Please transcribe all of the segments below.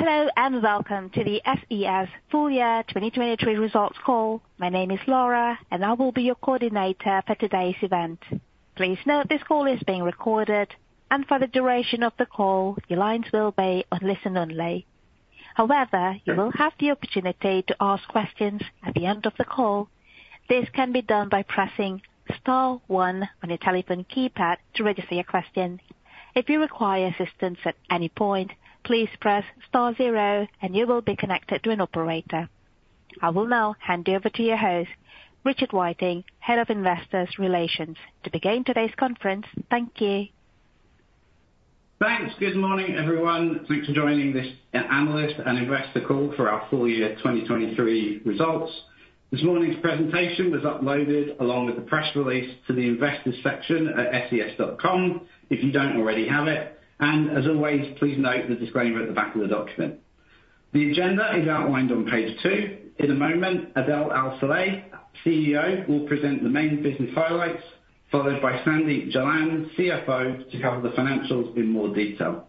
Hello, and welcome to the SES full year 2023 results call. My name is Laura, and I will be your coordinator for today's event. Please note, this call is being recorded, and for the duration of the call, your lines will be on listen only. However, you will have the opportunity to ask questions at the end of the call. This can be done by pressing star one on your telephone keypad to register your question. If you require assistance at any point, please press star zero and you will be connected to an operator. I will now hand you over to your host, Richard Whiteing, Head of Investor Relations, to begin today's conference. Thank you. Thanks. Good morning, everyone. Thanks for joining this analyst and investor call for our full year 2023 results. This morning's presentation was uploaded along with the press release to the investors section at SES.com, if you don't already have it, and as always, please note the disclaimer at the back of the document. The agenda is outlined on page 2. In a moment, Adel Al-Saleh, CEO, will present the main business highlights, followed by Sandeep Jalan, CFO, to cover the financials in more detail.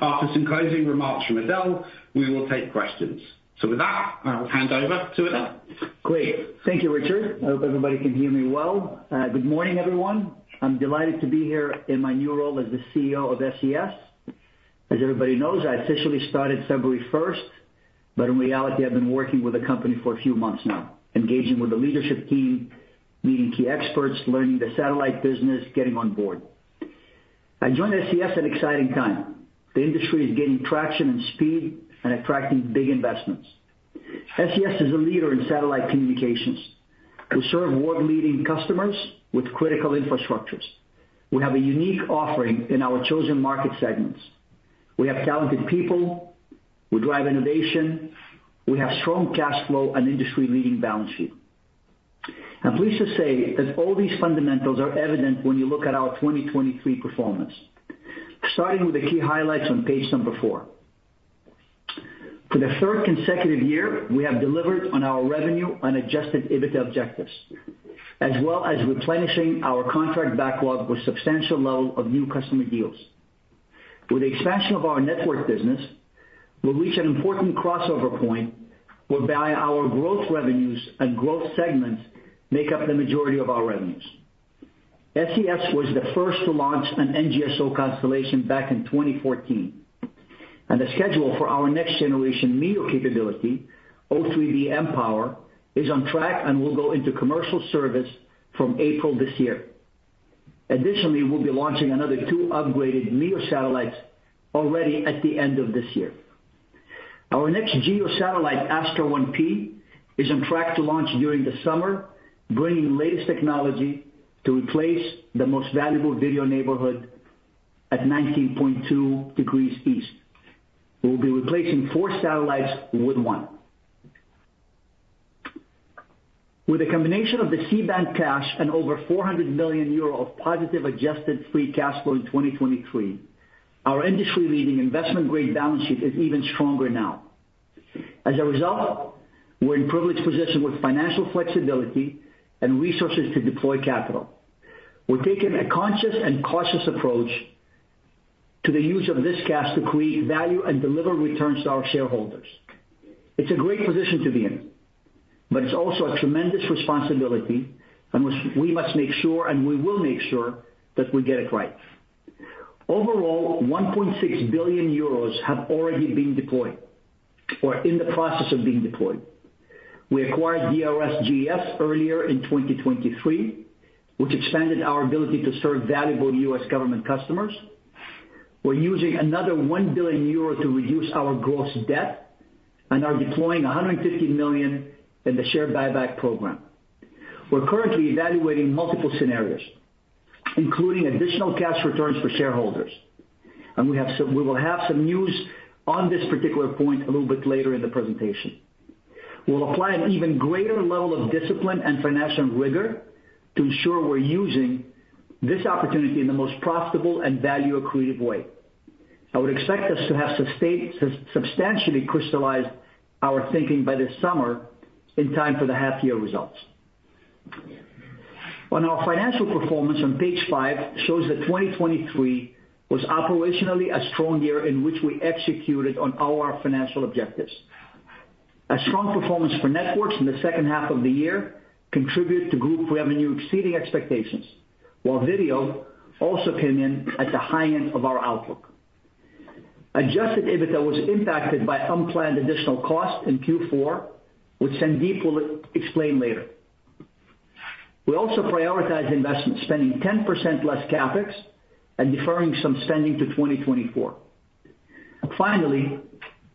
After some closing remarks from Adel, we will take questions. With that, I will hand over to Adel. Great. Thank you, Richard. I hope everybody can hear me well. Good morning, everyone. I'm delighted to be here in my new role as the CEO of SES. As everybody knows, I officially started February first, but in reality, I've been working with the company for a few months now, engaging with the leadership team, meeting key experts, learning the satellite business, getting on board. I joined SES at an exciting time. The industry is gaining traction and speed and attracting big investments. SES is a leader in satellite communications. We serve world-leading customers with critical infrastructures. We have a unique offering in our chosen market segments. We have talented people. We drive innovation. We have strong cash flow and industry-leading balance sheet. I'm pleased to say that all these fundamentals are evident when you look at our 2023 performance. Starting with the key highlights on page 4. For the third consecutive year, we have delivered on our revenue on Adjusted EBITDA objectives, as well as replenishing our contract backlog with substantial level of new customer deals. With the expansion of our network business, we'll reach an important crossover point whereby our growth revenues and growth segments make up the majority of our revenues. SES was the first to launch an NGSO constellation back in 2014, and the schedule for our next generation MEO capability, O3b mPOWER, is on track and will go into commercial service from April this year. Additionally, we'll be launching another two upgraded MEO satellites already at the end of this year. Our next GEO satellite, Astra 1P, is on track to launch during the summer, bringing the latest technology to replace the most valuable video neighborhood at 19.2 degrees east. We'll be replacing four satellites with one. With a combination of the C-band cash and over 400 million euro of positive adjusted free cash flow in 2023, our industry-leading investment-grade balance sheet is even stronger now. As a result, we're in privileged position with financial flexibility and resources to deploy capital. We're taking a conscious and cautious approach to the use of this cash to create value and deliver returns to our shareholders. It's a great position to be in, but it's also a tremendous responsibility, and we must make sure, and we will make sure, that we get it right. Overall, 1.6 billion euros have already been deployed or in the process of being deployed. We acquired DRS GES earlier in 2023, which expanded our ability to serve valuable U.S. government customers. We're using another 1 billion euros to reduce our gross debt and are deploying 150 million in the share buyback program. We're currently evaluating multiple scenarios, including additional cash returns for shareholders, and we will have some news on this particular point a little bit later in the presentation. We'll apply an even greater level of discipline and financial rigor to ensure we're using this opportunity in the most profitable and value-accretive way. I would expect us to have substantially crystallized our thinking by this summer in time for the half year results. Our financial performance on page 5 shows that 2023 was operationally a strong year in which we executed on our financial objectives. A strong performance for networks in the second half of the year contributed to group revenue exceeding expectations, while video also came in at the high end of our outlook. Adjusted EBITDA was impacted by unplanned additional costs in Q4, which Sandeep will explain later. We also prioritized investments, spending 10% less CapEx and deferring some spending to 2024. Finally,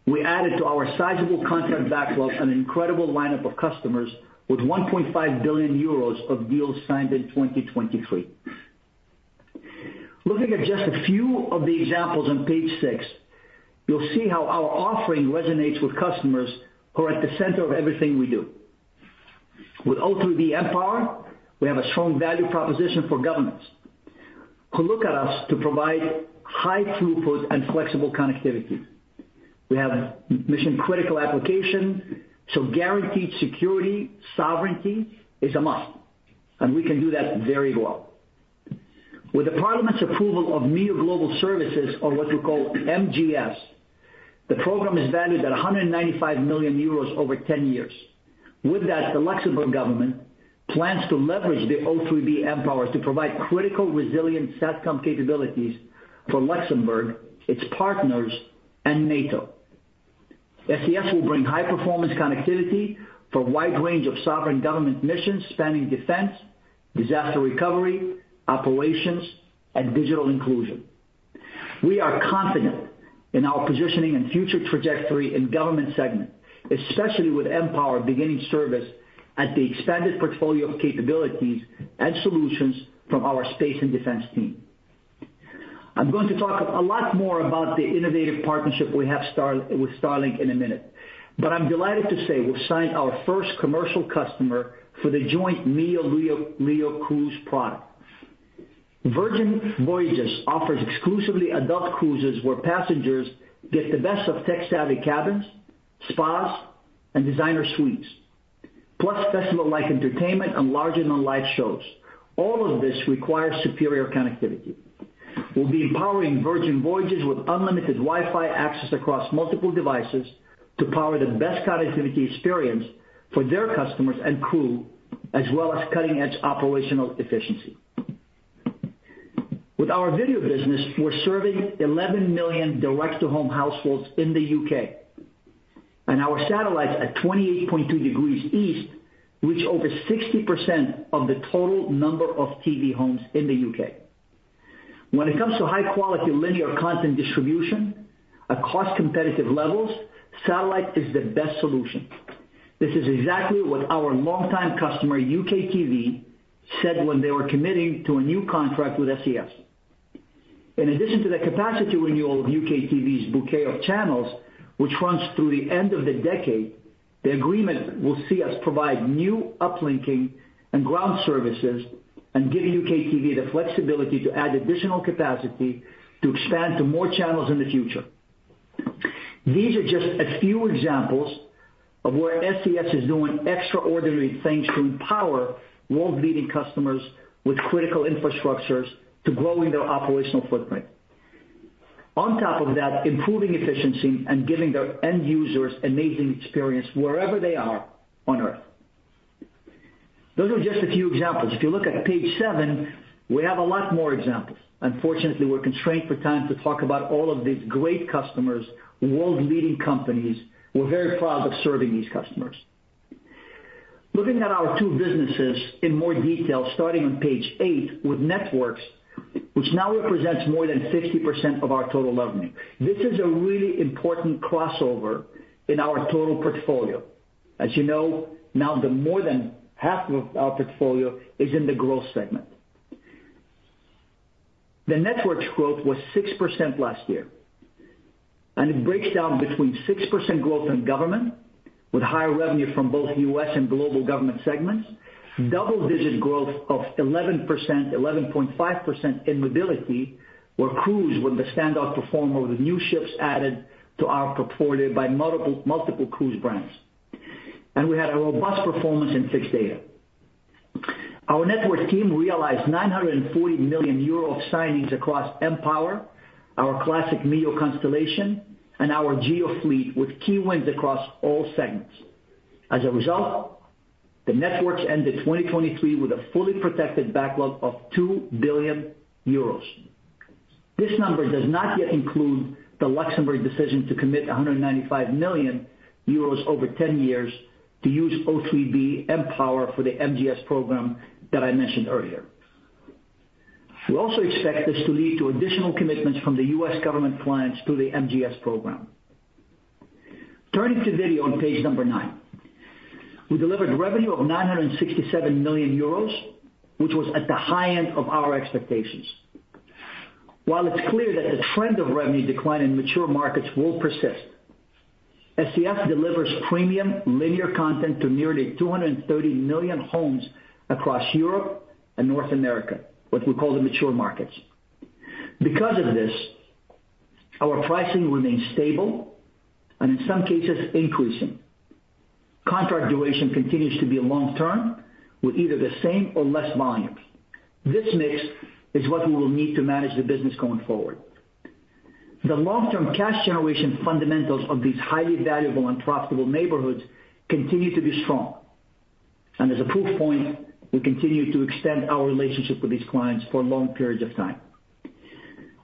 we added to our sizable contract backlog an incredible lineup of customers with 1.5 billion euros of deals signed in 2023. Looking at just a few of the examples on page 6, you'll see how our offering resonates with customers who are at the center of everything we do. With O3b mPOWER, we have a strong value proposition for governments, who look at us to provide high throughput and flexible connectivity. We have mission critical application, so guaranteed security, sovereignty is a must, and we can do that very well. With the Parliament's approval of MEO Global Services or what we call MGS, the program is valued at 195 million euros over 10 years. With that, the Luxembourg government plans to leverage the O3b mPOWER to provide critical resilient SATCOM capabilities for Luxembourg, its partners, and NATO. SES will bring high performance connectivity for a wide range of sovereign government missions, spanning defense, disaster recovery, operations, and digital inclusion. We are confident in our positioning and future trajectory in government segment, especially with mPOWER beginning service at the expanded portfolio of capabilities and solutions from our space and defense team. I'm going to talk a lot more about the innovative partnership we have with Starlink in a minute. But I'm delighted to say we've signed our first commercial customer for the joint MEO, LEO, LEO cruise product. Virgin Voyages offers exclusively adult cruises, where passengers get the best of tech-savvy cabins, spas, and designer suites, plus festival-like entertainment and larger-than-life shows. All of this requires superior connectivity. We'll be empowering Virgin Voyages with unlimited Wi-Fi access across multiple devices to power the best connectivity experience for their customers and crew, as well as cutting-edge operational efficiency. With our video business, we're serving 11 million direct-to-home households in the U.K., and our satellites at 28.2 degrees east, reach over 60% of the total number of TV homes in the U.K. When it comes to high quality linear content distribution at cost competitive levels, satellite is the best solution. This is exactly what our longtime customer, UKTV, said when they were committing to a new contract with SES. In addition to the capacity renewal of UKTV's bouquet of channels, which runs through the end of the decade, the agreement will see us provide new uplinking and ground services, and giving UKTV the flexibility to add additional capacity to expand to more channels in the future. These are just a few examples of where SES is doing extraordinary things to empower world-leading customers with critical infrastructures to growing their operational footprint. On top of that, improving efficiency and giving their end users amazing experience wherever they are on Earth. Those are just a few examples. If you look at page seven, we have a lot more examples. Unfortunately, we're constrained for time to talk about all of these great customers, world-leading companies. We're very proud of serving these customers. Looking at our two businesses in more detail, starting on page 8 with networks, which now represents more than 50% of our total revenue. This is a really important crossover in our total portfolio. As you know, now more than half of our portfolio is in the growth segment. The network's growth was 6% last year, and it breaks down between 6% growth in government, with higher revenue from both U.S. and global government segments, double-digit growth of 11%-11.5% in mobility, where cruise was the standout performer, with new ships added to our portfolio by multiple, multiple cruise brands. And we had a robust performance in fixed data. Our networks team realized 940 million euro of signings across mPOWER, our classic MEO constellation, and our GEO fleet, with key wins across all segments. As a result, the networks ended 2023 with a fully protected backlog of 2 billion euros. This number does not yet include the Luxembourg decision to commit 195 million euros over 10 years to use O3b mPOWER for the MGS program that I mentioned earlier. We also expect this to lead to additional commitments from the US government clients through the MGS program. Turning to video on page 9. We delivered revenue of 967 million euros, which was at the high end of our expectations. While it's clear that the trend of revenue decline in mature markets will persist, SES delivers premium linear content to nearly 230 million homes across Europe and North America, what we call the mature markets. Because of this, our pricing remains stable and in some cases increasing. Contract duration continues to be long term, with either the same or less volumes. This mix is what we will need to manage the business going forward. The long-term cash generation fundamentals of these highly valuable and profitable neighborhoods continue to be strong. As a proof point, we continue to extend our relationship with these clients for long periods of time.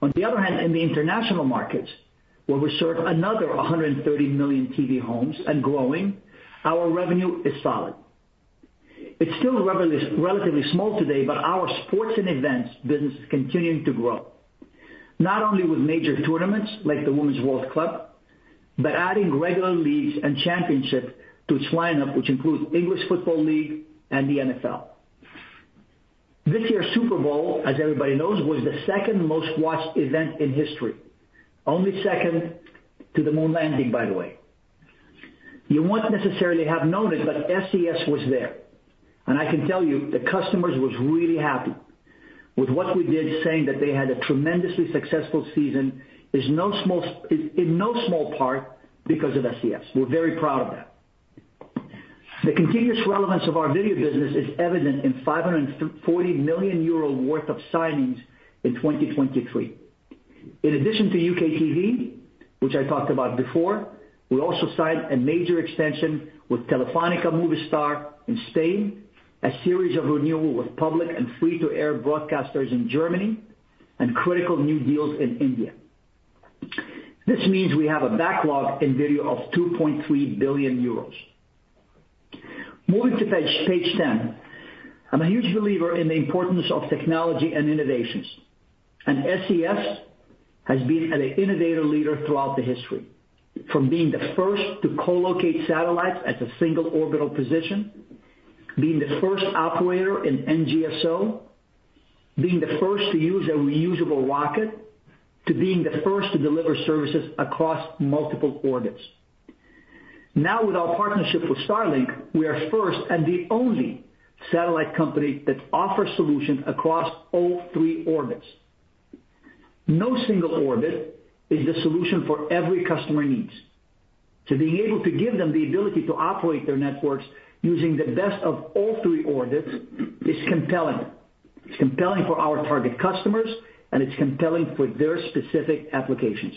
On the other hand, in the international markets, where we serve another 130 million TV homes and growing, our revenue is solid. It's still relatively, relatively small today, but our sports and events business is continuing to grow, not only with major tournaments like the Women's World Cup, but adding regular leagues and championships to its lineup, which includes English Football League and the NFL. This year's Super Bowl, as everybody knows, was the second most-watched event in history, only second to the moon landing, by the way. You won't necessarily have known it, but SES was there, and I can tell you the customers was really happy with what we did, saying that they had a tremendously successful season, in no small part because of SES. We're very proud of that. The continuous relevance of our video business is evident in 540 million euro worth of signings in 2023. In addition to UKTV, which I talked about before, we also signed a major extension with Telefónica Movistar in Spain, a series of renewal with public and free-to-air broadcasters in Germany, and critical new deals in India. This means we have a backlog in video of 2.3 billion euros. Moving to page, page ten. I'm a huge believer in the importance of technology and innovations, and SES has been an innovative leader throughout the history. From being the first to co-locate satellites at a single orbital position, being the first operator in NGSO, being the first to use a reusable rocket, to being the first to deliver services across multiple orbits. Now, with our partnership with Starlink, we are first and the only satellite company that offers solutions across all three orbits. No single orbit is the solution for every customer needs. To being able to give them the ability to operate their networks using the best of all three orbits is compelling. It's compelling for our target customers, and it's compelling for their specific applications.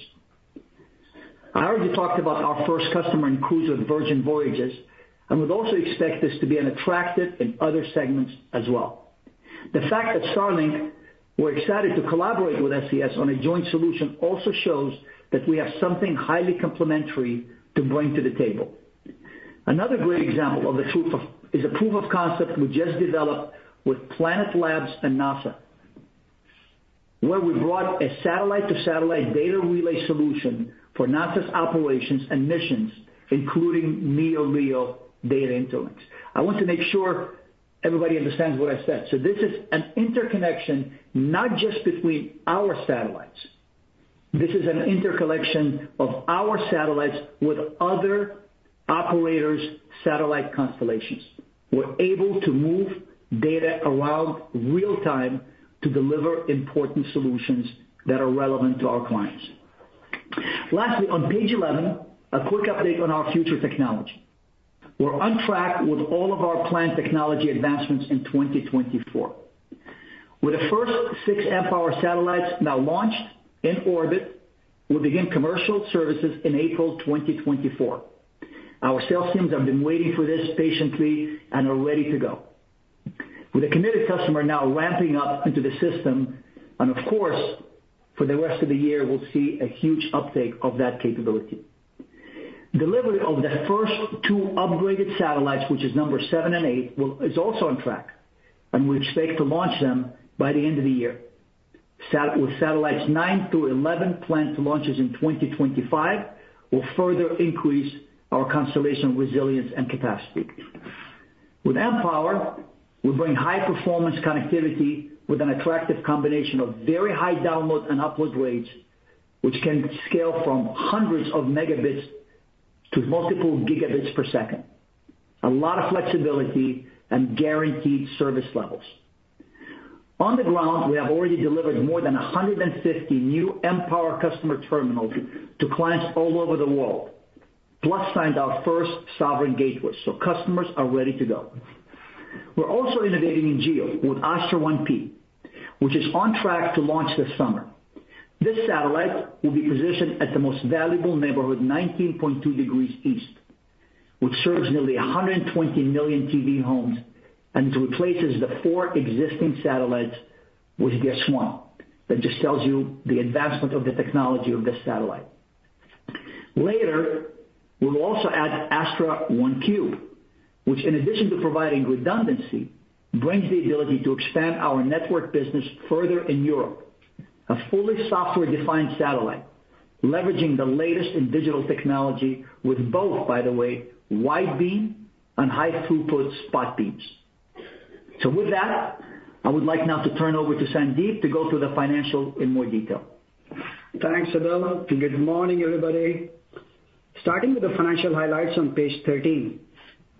I already talked about our first customer in cruise with Virgin Voyages, and we'd also expect this to be an attractive in other segments as well. The fact that Starlink were excited to collaborate with SES on a joint solution also shows that we have something highly complementary to bring to the table. Another great example is a proof of concept we just developed with Planet Labs and NASA, where we brought a satellite-to-satellite data relay solution for NASA's operations and missions, including MEO-LEO data interlinks. I want to make sure everybody understands what I said. So this is an interconnection, not just between our satellites. This is an interconnection of our satellites with other operators' satellite constellations. We're able to move data around real time to deliver important solutions that are relevant to our clients. Lastly, on page 11, a quick update on our future technology. We're on track with all of our planned technology advancements in 2024. With the first 6 mPOWER satellites now launched in orbit, we'll begin commercial services in April 2024. Our sales teams have been waiting for this patiently and are ready to go. With a committed customer now ramping up into the system, and of course, for the rest of the year, we'll see a huge uptake of that capability. Delivery of the first two upgraded satellites, which are numbers 7 and 8, is also on track, and we expect to launch them by the end of the year. With satellites 9 through 11, planned launches in 2025, will further increase our constellation resilience and capacity. With mPOWER, we bring high performance connectivity with an attractive combination of very high download and upload rates, which can scale from hundreds of megabits to multiple gigabits per second. A lot of flexibility and guaranteed service levels. On the ground, we have already delivered more than 150 new mPOWER customer terminals to clients all over the world, plus signed our first sovereign gateway, so customers are ready to go. We're also innovating in GEO with Astra 1P, which is on track to launch this summer. This satellite will be positioned at the most valuable neighborhood, 19.2 degrees east, which serves nearly 120 million TV homes and replaces the four existing satellites with just one. That just tells you the advancement of the technology of this satellite. Later, we'll also add Astra 1Q, which, in addition to providing redundancy, brings the ability to expand our network business further in Europe. A fully software-defined satellite, leveraging the latest in digital technology with both, by the way, wide beam and high throughput spot beams. With that, I would like now to turn over to Sandeep to go through the financial in more detail. Thanks, Adel, and good morning, everybody. Starting with the financial highlights on page 13,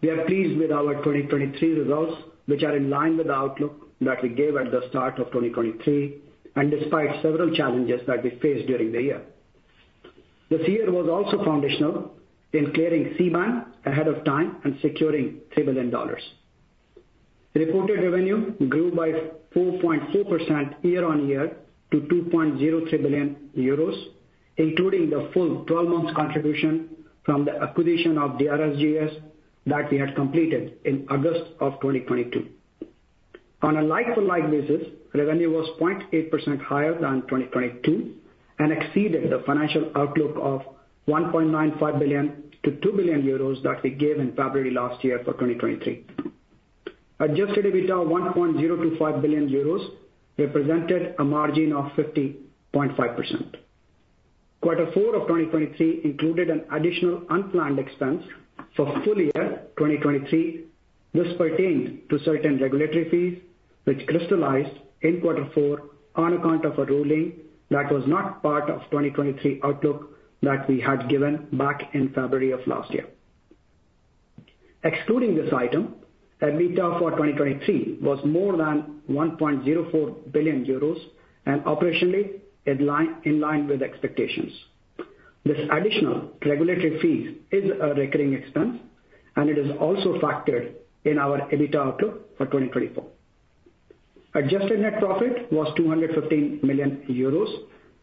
we are pleased with our 2023 results, which are in line with the outlook that we gave at the start of 2023, and despite several challenges that we faced during the year. This year was also foundational in clearing C-band ahead of time and securing $3 billion. Reported revenue grew by 4.4% year-on-year to 2.03 billion euros, including the full 12 months contribution from the acquisition of the RSGS that we had completed in August of 2022. On a like-to-like basis, revenue was 0.8% higher than 2022 and exceeded the financial outlook of 1.95 billion-2 billion euros that we gave in February last year for 2023. Adjusted EBITDA, 1.025 billion euros, represented a margin of 50.5%. Quarter four of 2023 included an additional unplanned expense for full year 2023. This pertained to certain regulatory fees, which crystallized in quarter four on account of a ruling that was not part of 2023 outlook that we had given back in February of last year. Excluding this item, EBITDA for 2023 was more than 1.04 billion euros and operationally in line, in line with expectations. This additional regulatory fees is a recurring expense, and it is also factored in our EBITDA outlook for 2024. Adjusted net profit was 215 million euros,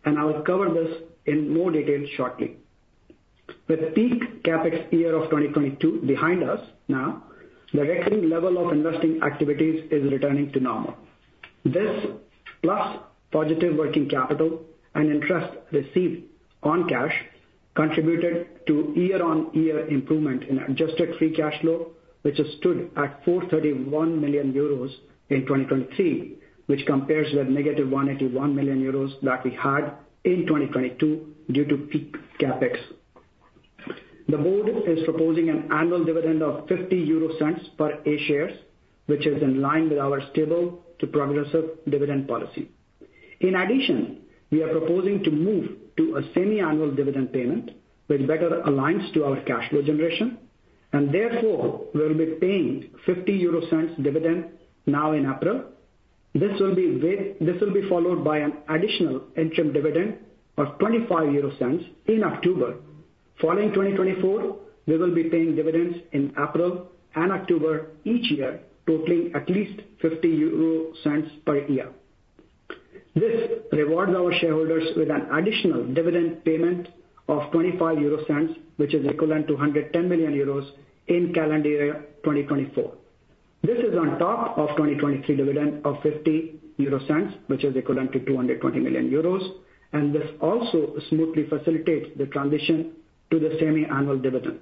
and I will cover this in more detail shortly. With peak CapEx year of 2022 behind us now, the recurring level of investing activities is returning to normal. This, plus positive working capital and interest received on cash, contributed to year-on-year improvement in adjusted free cash flow, which stood at 431 million euros in 2023, which compares with negative 181 million euros that we had in 2022 due to peak CapEx. The board is proposing an annual dividend of 0.50 per A shares, which is in line with our stable to progressive dividend policy. In addition, we are proposing to move to a semiannual dividend payment, which better aligns to our cash flow generation, and therefore we will be paying 0.50 dividend now in April. This will be followed by an additional interim dividend of 0.25 in October. Following 2024, we will be paying dividends in April and October each year, totaling at least 0.50 per year. This rewards our shareholders with an additional dividend payment of 0.25, which is equivalent to 110 million euros in calendar year 2024. This is on top of 2023 dividend of 0.50, which is equivalent to 220 million euros, and this also smoothly facilitates the transition to the semiannual dividend.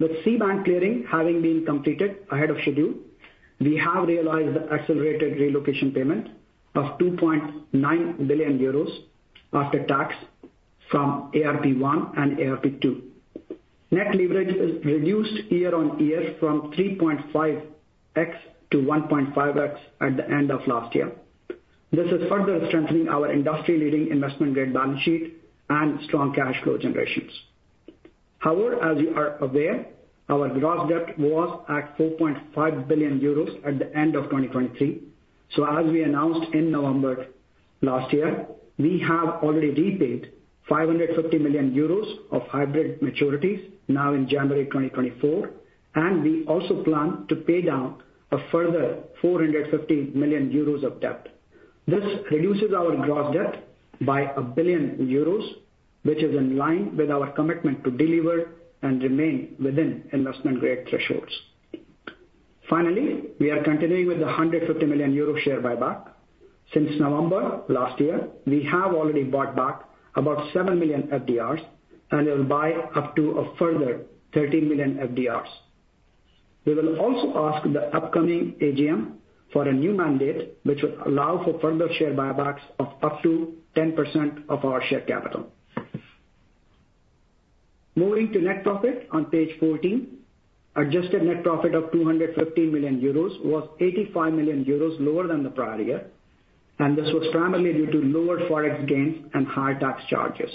With C-band clearing having been completed ahead of schedule, we have realized the accelerated relocation payment of 2.9 billion euros after tax from ARP one and ARP two. Net leverage is reduced year-on-year from 3.5x to 1.5x at the end of last year. This is further strengthening our industry-leading investment-grade balance sheet and strong cash flow generations. However, as you are aware, our gross debt was at 4.5 billion euros at the end of 2023. So as we announced in November last year, we have already repaid 550 million euros of hybrid maturities now in January 2024, and we also plan to pay down a further 450 million euros of debt. This reduces our gross debt by 1 billion euros, which is in line with our commitment to deliver and remain within Investment Grade thresholds. Finally, we are continuing with the 150 million euro share buyback. Since November last year, we have already bought back about 7 million FDRs, and will buy up to a further 13 million FDRs. We will also ask the upcoming AGM for a new mandate, which will allow for further share buybacks of up to 10% of our share capital. Moving to net profit on page 14. Adjusted net profit of 215 million euros was 85 million euros lower than the prior year, and this was primarily due to lower Forex gains and higher tax charges.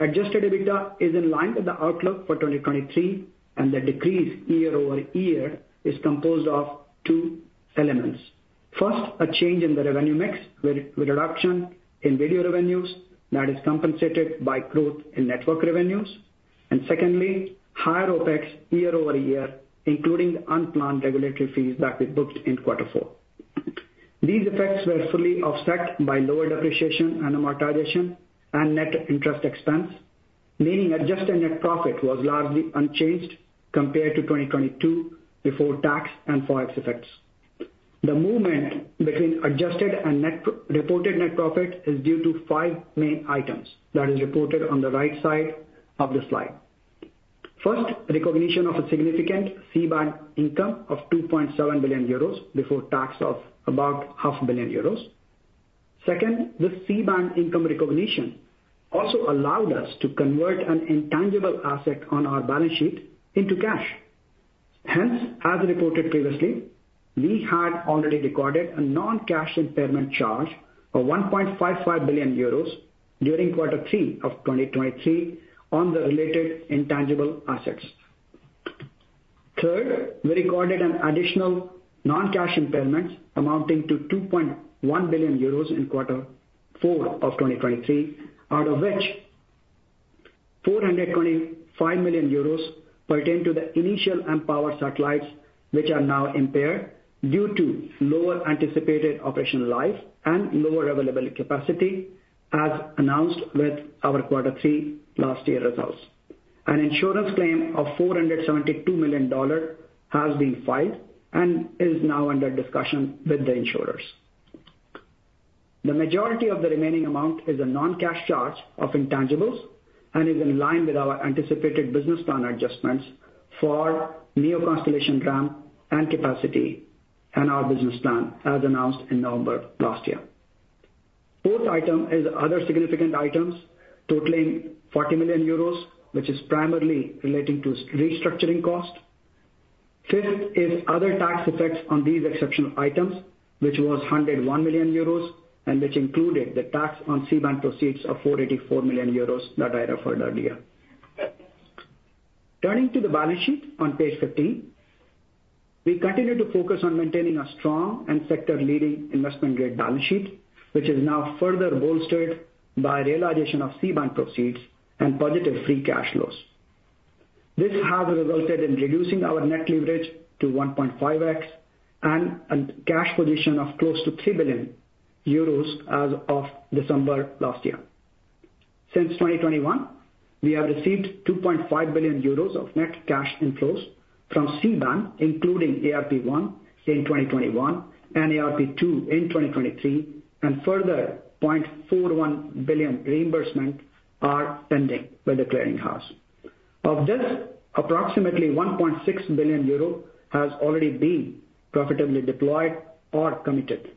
Adjusted EBITDA is in line with the outlook for 2023, and the decrease year-over-year is composed of two elements. First, a change in the revenue mix, with reduction in video revenues that is compensated by growth in network revenues. And secondly, higher OpEx year-over-year, including the unplanned regulatory fees that we booked in quarter four. These effects were fully offset by lower depreciation and amortization and net interest expense, meaning adjusted net profit was largely unchanged compared to 2022 before tax and Forex effects. The movement between adjusted and net reported net profit is due to five main items. That is reported on the right side of the slide. First, recognition of a significant C-band income of 2.7 billion euros, before tax of about 500 million euros. Second, the C-band income recognition also allowed us to convert an intangible asset on our balance sheet into cash. Hence, as reported previously, we had already recorded a non-cash impairment charge of 1.55 billion euros during quarter three of 2023 on the related intangible assets. Third, we recorded an additional non-cash impairment amounting to 2.1 billion euros in quarter four of 2023, out of which 425 million euros pertain to the initial mPOWER satellites, which are now impaired due to lower anticipated operational life and lower available capacity, as announced with our quarter three last year results. An insurance claim of $472 million has been filed and is now under discussion with the insurers. The majority of the remaining amount is a non-cash charge of intangibles and is in line with our anticipated business plan adjustments for NGSO constellation ramp and capacity and our business plan, as announced in November last year. Fourth item is other significant items, totaling 40 million euros, which is primarily relating to SES restructuring costs. Fifth is other tax effects on these exceptional items, which was 101 million euros, and which included the tax on C-band proceeds of 484 million euros that I referred earlier. Turning to the balance sheet on page 15, we continue to focus on maintaining a strong and sector-leading investment-grade balance sheet, which is now further bolstered by realization of C-band proceeds and positive free cash flows. This has resulted in reducing our net leverage to 1.5x and a cash position of close to 3 billion euros as of December last year. Since 2021, we have received 2.5 billion euros of net cash inflows from C-band, including ARP 1 in 2021 and ARP 2 in 2023, and further 0.41 billion reimbursement are pending with the clearing house. Of this, approximately 1.6 billion euro has already been profitably deployed or committed.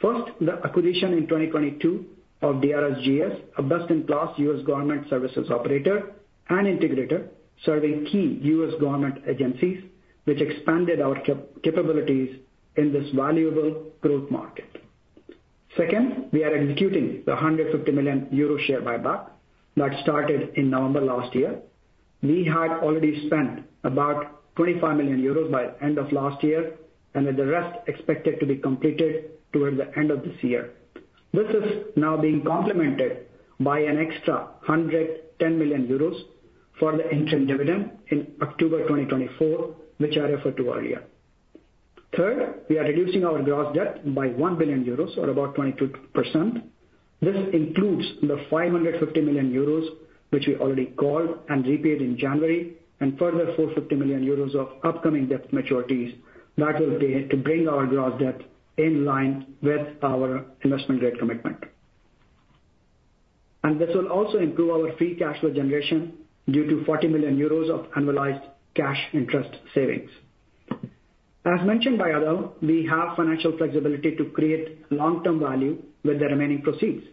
First, the acquisition in 2022 of DRS GS, a best-in-class U.S. government services operator and integrator, serving key U.S. government agencies, which expanded our capabilities in this valuable growth market. Second, we are executing the 150 million euro share buyback that started in November last year. We had already spent about 25 million euros by end of last year, and with the rest expected to be completed towards the end of this year. This is now being complemented by an extra 110 million euros for the interim dividend in October 2024, which I referred to earlier. Third, we are reducing our gross debt by 1 billion euros or about 22%. This includes the 550 million euros, which we already called and repaid in January, and further 450 million euros of upcoming debt maturities that will bring our gross debt in line with our Investment Grade commitment. And this will also improve our free cash flow generation due to 40 million euros of annualized cash interest savings. As mentioned by Adel, we have financial flexibility to create long-term value with the remaining proceeds.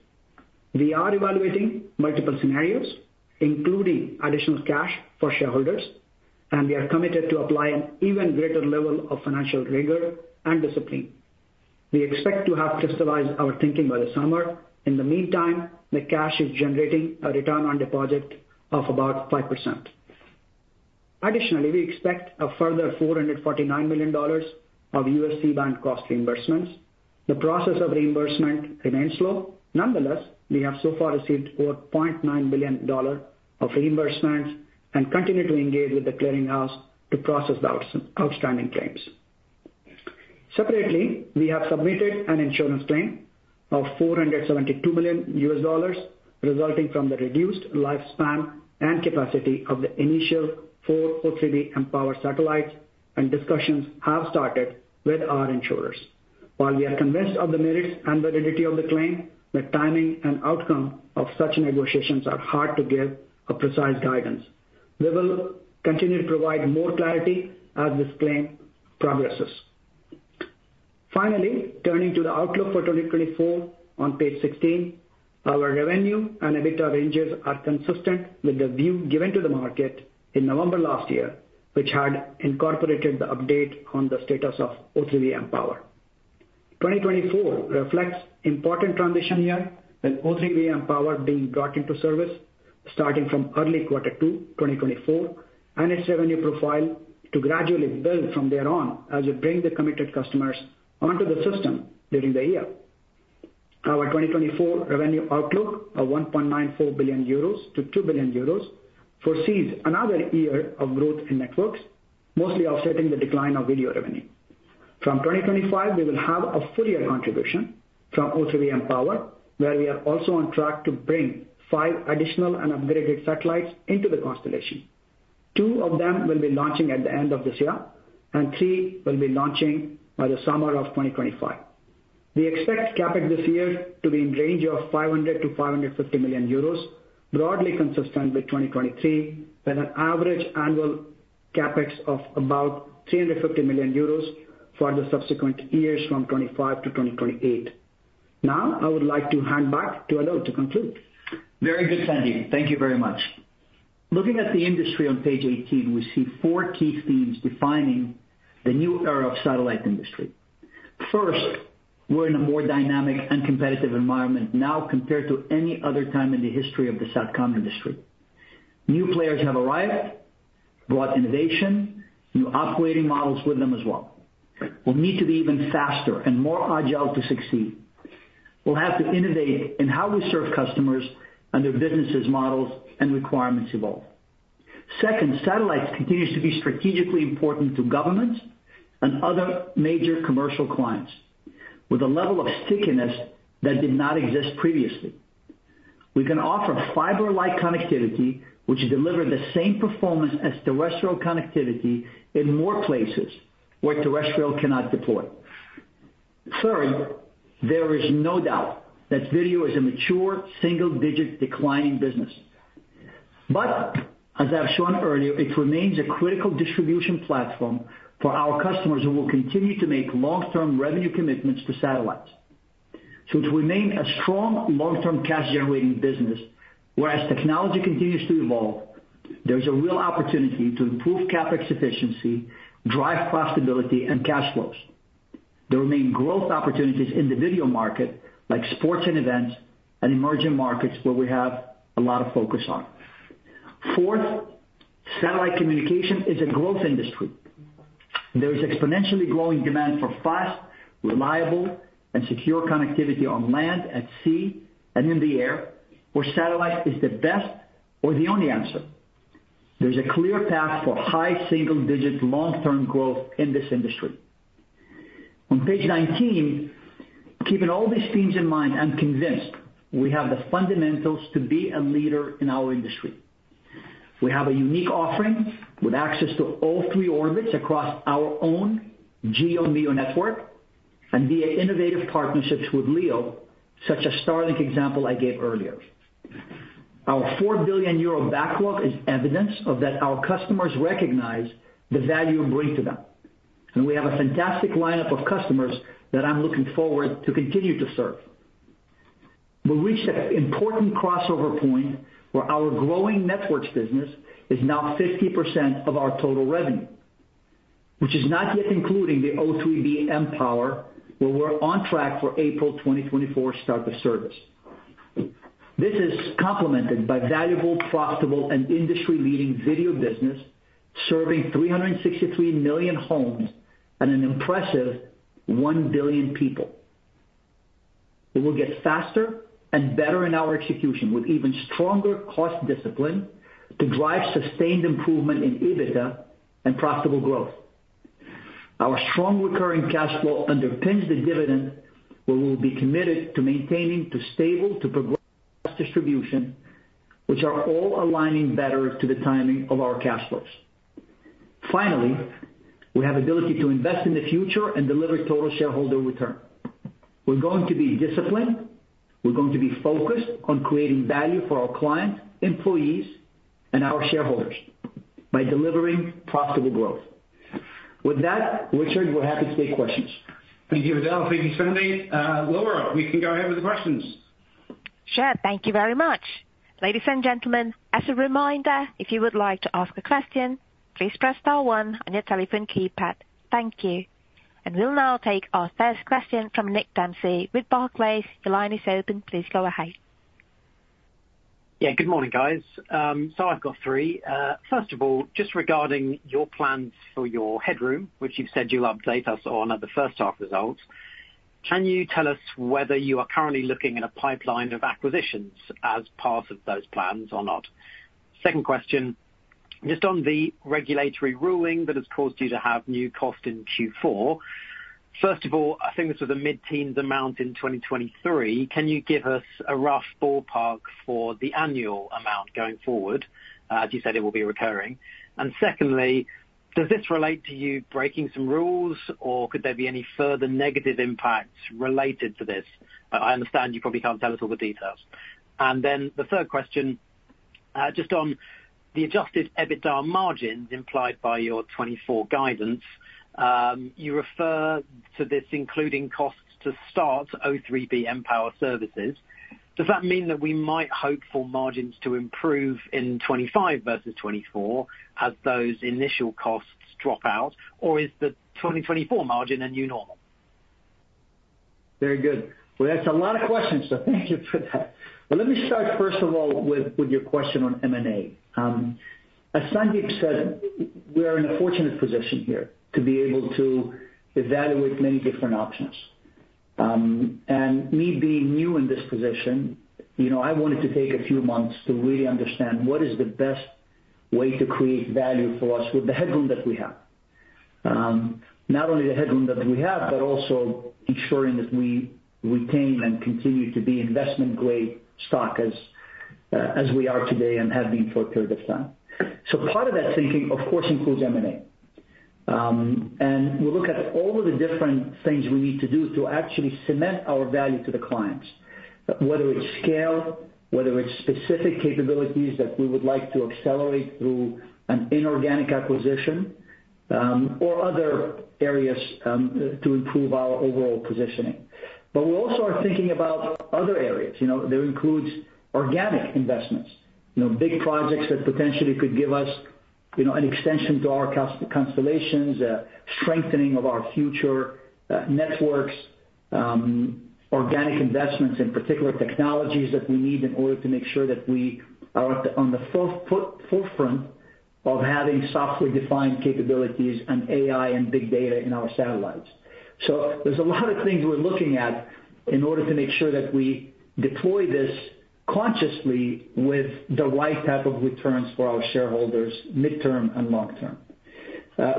We are evaluating multiple scenarios, including additional cash for shareholders, and we are committed to apply an even greater level of financial rigor and discipline. We expect to have crystallized our thinking by the summer. In the meantime, the cash is generating a return on deposit of about 5%. Additionally, we expect a further $449 million of FCC auction cost reimbursements. The process of reimbursement remains slow. Nonetheless, we have so far received $4.9 billion of reimbursements and continue to engage with the clearing house to process the outstanding claims. Separately, we have submitted an insurance claim of $472 million, resulting from the reduced lifespan and capacity of the initial four O3b mPOWER satellites, and discussions have started with our insurers. While we are convinced of the merits and validity of the claim, the timing and outcome of such negotiations are hard to give a precise guidance. We will continue to provide more clarity as this claim progresses. Finally, turning to the outlook for 2024 on page 16, our revenue and EBITDA ranges are consistent with the view given to the market in November last year, which had incorporated the update on the status of O3b mPOWER. 2024 reflects important transition year, with O3b mPOWER being brought into service starting from early quarter two, 2024, and its revenue profile to gradually build from there on as we bring the committed customers onto the system during the year. Our 2024 revenue outlook of 1.94 billion-2 billion euros foresees another year of growth in networks, mostly offsetting the decline of video revenue. From 2025, we will have a full year contribution from O3b mPOWER, where we are also on track to bring five additional and upgraded satellites into the constellation. Two of them will be launching at the end of this year, and three will be launching by the summer of 2025. We expect CapEx this year to be in range of 500 million-550 million euros, broadly consistent with 2023, with an average annual CapEx of about 350 million euros for the subsequent years from 2025 to 2028. Now, I would like to hand back to Adel to conclude. Very good, Sandeep. Thank you very much. Looking at the industry on page 18, we see four key themes defining the new era of satellite industry. First, we're in a more dynamic and competitive environment now compared to any other time in the history of the SATCOM industry. New players have arrived, brought innovation, new operating models with them as well. We'll need to be even faster and more agile to succeed. We'll have to innovate in how we serve customers and their businesses, models, and requirements evolve. Second, satellites continues to be strategically important to governments and other major commercial clients, with a level of stickiness that did not exist previously. We can offer fiber-like connectivity, which deliver the same performance as terrestrial connectivity in more places where terrestrial cannot deploy. Third, there is no doubt that video is a mature, single-digit, declining business. But as I've shown earlier, it remains a critical distribution platform for our customers who will continue to make long-term revenue commitments to satellites. So it remains a strong, long-term cash generating business, whereas technology continues to evolve, there is a real opportunity to improve CapEx efficiency, drive profitability and cash flows. There remain growth opportunities in the video market, like sports and events and emerging markets, where we have a lot of focus on. Fourth, satellite communication is a growth industry. There is exponentially growing demand for fast, reliable, and secure connectivity on land, at sea, and in the air, where satellite is the best or the only answer. There's a clear path for high single-digit long-term growth in this industry. On page 19, keeping all these things in mind, I'm convinced we have the fundamentals to be a leader in our industry. We have a unique offering with access to all three orbits across our own GEO MEO network and via innovative partnerships with LEO, such as Starlink example I gave earlier. Our 4 billion euro backlog is evidence of that our customers recognize the value we bring to them, and we have a fantastic lineup of customers that I'm looking forward to continue to serve. We've reached an important crossover point where our growing networks business is now 50% of our total revenue, which is not yet including the O3b mPOWER, where we're on track for April 2024 start of service. This is complemented by valuable, profitable, and industry-leading video business, serving 363 million homes and an impressive 1 billion people. It will get faster and better in our execution, with even stronger cost discipline to drive sustained improvement in EBITDA and profitable growth. Our strong recurring cash flow underpins the dividend, where we'll be committed to maintaining a stable to progressive distribution, which are all aligning better to the timing of our cash flows. Finally, we have the ability to invest in the future and deliver total shareholder return. We're going to be disciplined. We're going to be focused on creating value for our clients, employees, and our shareholders by delivering profitable growth. With that, Richard, we're happy to take questions. Thank you, Adel. Thank you, Sandeep. Laura, we can go ahead with the questions. Sure. Thank you very much. Ladies and gentlemen, as a reminder, if you would like to ask a question, please press star one on your telephone keypad. Thank you. We'll now take our first question from Nick Dempsey with Barclays. Your line is open. Please go ahead. Yeah, good morning, guys. So I've got three. First of all, just regarding your plans for your headroom, which you've said you'll update us on at the first half results, can you tell us whether you are currently looking at a pipeline of acquisitions as part of those plans or not? Second question, just on the regulatory ruling that has caused you to have new cost in Q4. First of all, I think this was a mid-teen amount in 2023. Can you give us a rough ballpark for the annual amount going forward? As you said, it will be recurring. And secondly, does this relate to you breaking some rules, or could there be any further negative impacts related to this? I understand you probably can't tell us all the details. Then the third question, just on the Adjusted EBITDA margins implied by your 2024 guidance. You refer to this including costs to start O3b mPOWER services. Does that mean that we might hope for margins to improve in 2025 versus 2024 as those initial costs drop out? Or is the 2024 margin a new normal? Very good. Well, that's a lot of questions, so thank you for that. Well, let me start, first of all, with your question on M&A. As Sandeep said, we are in a fortunate position here to be able to evaluate many different options. And me being new in this position, you know, I wanted to take a few months to really understand what is the best way to create value for us with the headroom that we have. Not only the headroom that we have, but also ensuring that we retain and continue to be investment-grade stock as we are today and have been for a period of time. So part of that thinking, of course, includes M&A. We look at all of the different things we need to do to actually cement our value to the clients, whether it's scale, whether it's specific capabilities that we would like to accelerate through an inorganic acquisition, or other areas, to improve our overall positioning. But we also are thinking about other areas, you know, that includes organic investments, you know, big projects that potentially could give us, you know, an extension to our constellations, strengthening of our future networks, organic investments in particular technologies that we need in order to make sure that we are on the forefront of having software-defined capabilities and AI and big data in our satellites. There's a lot of things we're looking at in order to make sure that we deploy this consciously with the right type of returns for our shareholders, midterm and long term.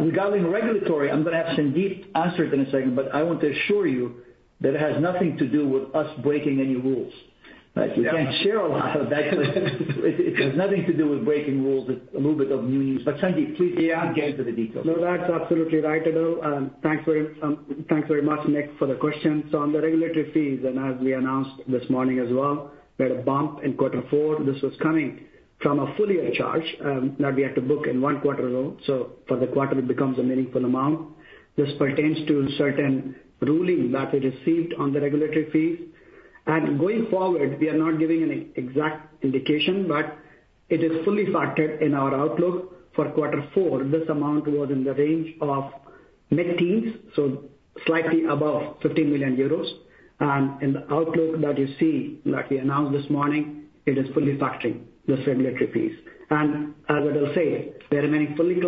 Regarding regulatory, I'm going to have Sandeep answer it in a second, but I want to assure you that it has nothing to do with us breaking any rules. Right? Yeah. We can't share a lot of that. It has nothing to do with breaking rules, it's a little bit of new news, but Sandeep, please get into the details. No, that's absolutely right, Adel. Thanks very much, Nick, for the question. So on the regulatory fees, and as we announced this morning as well, we had a bump in quarter four. This was coming from a full-year charge that we had to book in one quarter down, so for the quarter, it becomes a meaningful amount. This pertains to certain ruling that we received on the regulatory fees. And going forward, we are not giving an exact indication, but-... It is fully factored in our outlook for quarter four. This amount was in the range of mid-teens, so slightly above 50 million euros. In the outlook that you see, that we announced this morning, it is fully factoring this regulatory piece. As I will say, we remaining fully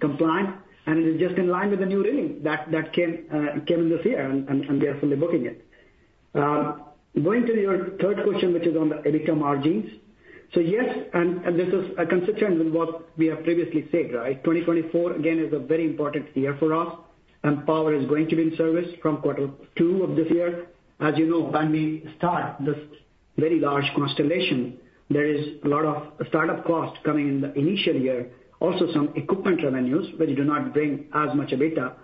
compliant, and it is just in line with the new rating that came in this year, and we are fully booking it. Going to your third question, which is on the EBITDA margins. So yes, and this is consistent with what we have previously said, right? 2024, again, is a very important year for us, and Power is going to be in service from quarter two of this year. As you know, when we start this very large constellation, there is a lot of startup costs coming in the initial year, also some equipment revenues, which do not bring as much EBITDA,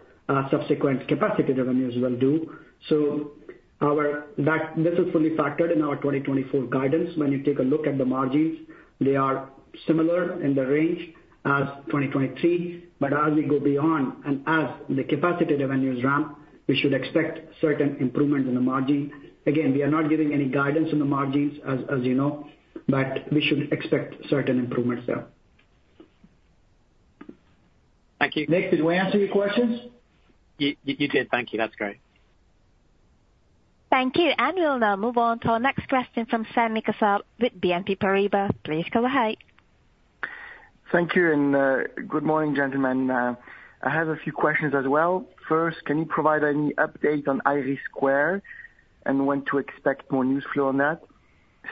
subsequent capacity revenues will do. So, this is fully factored in our 2024 guidance. When you take a look at the margins, they are similar in the range as 2023, but as we go beyond and as the capacity revenues ramp, we should expect certain improvement in the margin. Again, we are not giving any guidance on the margins, as you know, but we should expect certain improvements there. Thank you. Nick, did we answer your questions? You, you did. Thank you. That's great. Thank you. We'll now move on to our next question from Sami Kassab with BNP Paribas. Please go ahead. Thank you, and good morning, gentlemen. I have a few questions as well. First, can you provide any update on IRIS² and when to expect more news flow on that?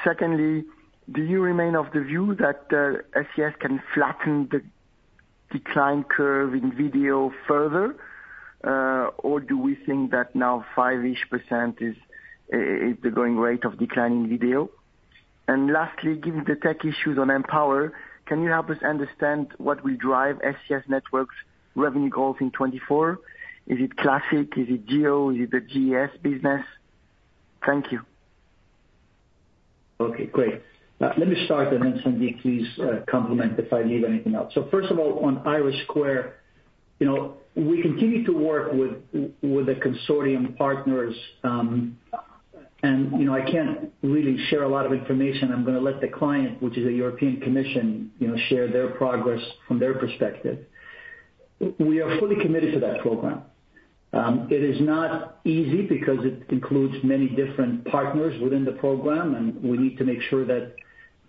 Secondly, do you remain of the view that SES can flatten the decline curve in video further, or do we think that now 5-ish% is the going rate of declining video? And lastly, given the tech issues on mPOWER, can you help us understand what will drive SES Networks revenue goals in 2024? Is it classic? Is it GEO? Is it the GES business? Thank you. Okay, great. Let me start, and then Samik, please, complement if I leave anything out. So first of all, on IRIS², you know, we continue to work with the consortium partners, and, you know, I can't really share a lot of information. I'm gonna let the client, which is the European Commission, you know, share their progress from their perspective. We are fully committed to that program. It is not easy because it includes many different partners within the program, and we need to make sure that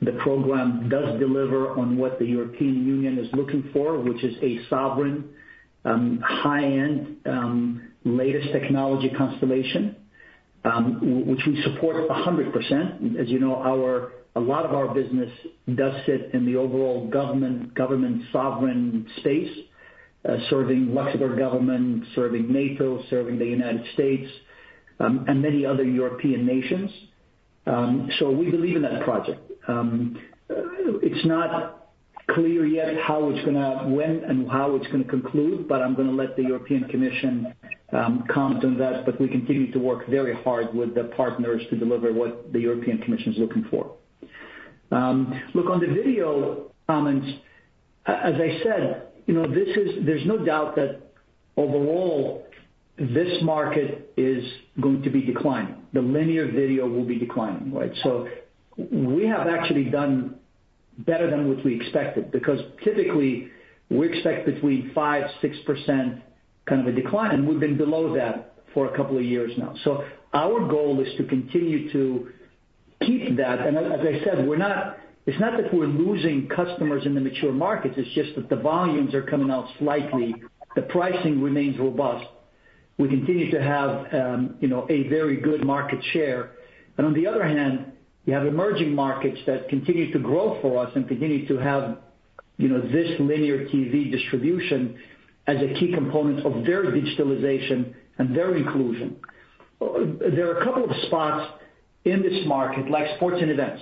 the program does deliver on what the European Union is looking for, which is a sovereign, high-end, latest technology constellation, which we support a hundred percent. As you know, our, a lot of our business does sit in the overall government, government sovereign space, serving Luxembourg government, serving NATO, serving the United States, and many other European nations. So we believe in that project. It's not clear yet how it's gonna... When and how it's gonna conclude, but I'm gonna let the European Commission comment on that, but we continue to work very hard with the partners to deliver what the European Commission is looking for. Look, on the video comments, as I said, you know, this is, there's no doubt that overall, this market is going to be declining. The linear video will be declining, right? So we have actually done better than what we expected, because typically, we expect between 5%-6% kind of a decline, and we've been below that for a couple of years now. So our goal is to continue to keep that, and as I said, it's not that we're losing customers in the mature markets, it's just that the volumes are coming out slightly. The pricing remains robust. We continue to have, you know, a very good market share. And on the other hand, we have emerging markets that continue to grow for us and continue to have, you know, this linear TV distribution as a key component of their digitalization and their inclusion. There are a couple of spots in this market, like sports and events,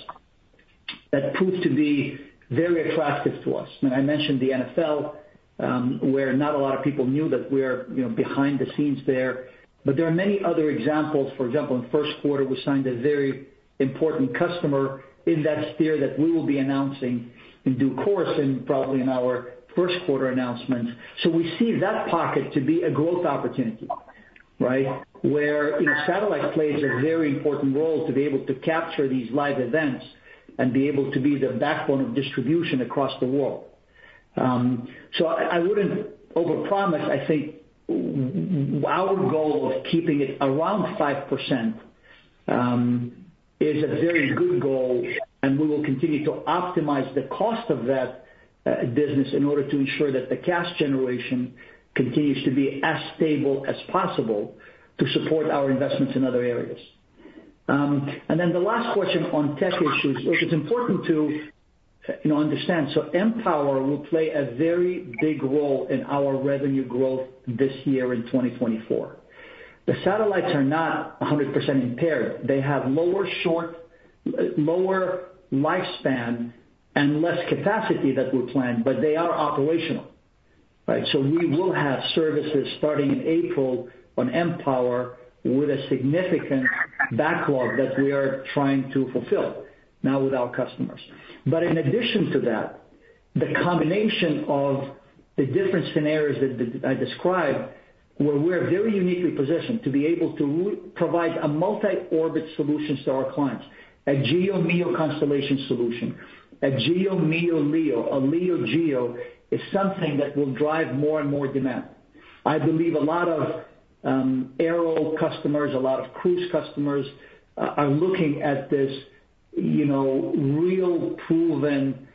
that prove to be very attractive to us. I mentioned the NFL, where not a lot of people knew that we are, you know, behind the scenes there, but there are many other examples. For example, in the first quarter, we signed a very important customer in that sphere that we will be announcing in due course and probably in our first quarter announcements. So we see that pocket to be a growth opportunity, right? Where, you know, satellite plays a very important role to be able to capture these live events and be able to be the backbone of distribution across the world. So I wouldn't over-promise. I think our goal of keeping it around 5%, is a very good goal, and we will continue to optimize the cost of that business in order to ensure that the cash generation continues to be as stable as possible to support our investments in other areas. And then the last question on tech issues, which is important to, you know, understand. So mPOWER will play a very big role in our revenue growth this year in 2024. The satellites are not 100% impaired. They have shorter lifespan and less capacity than we planned, but they are operational, right? So we will have services starting in April on mPOWER with a significant backlog that we are trying to fulfill now with our customers. But in addition to that. The combination of the different scenarios that I described, where we're very uniquely positioned to be able to provide a multi-orbit solution to our clients, a GEO MEO constellation solution, a GEO MEO LEO, a LEO GEO, is something that will drive more and more demand. I believe a lot of aero customers, a lot of cruise customers are looking at this, you know, real proven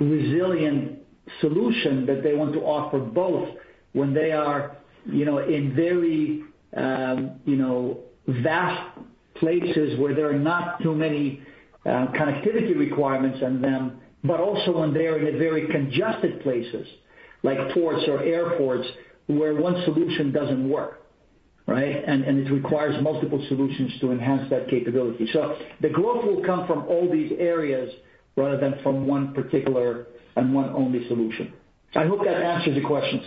resilient solution that they want to offer both when they are, you know, in very, you know, vast places where there are not too many connectivity requirements on them, but also when they are in very congested places, like ports or airports, where one solution doesn't work, right? And it requires multiple solutions to enhance that capability. So the growth will come from all these areas rather than from one particular and one only solution. I hope that answers the questions.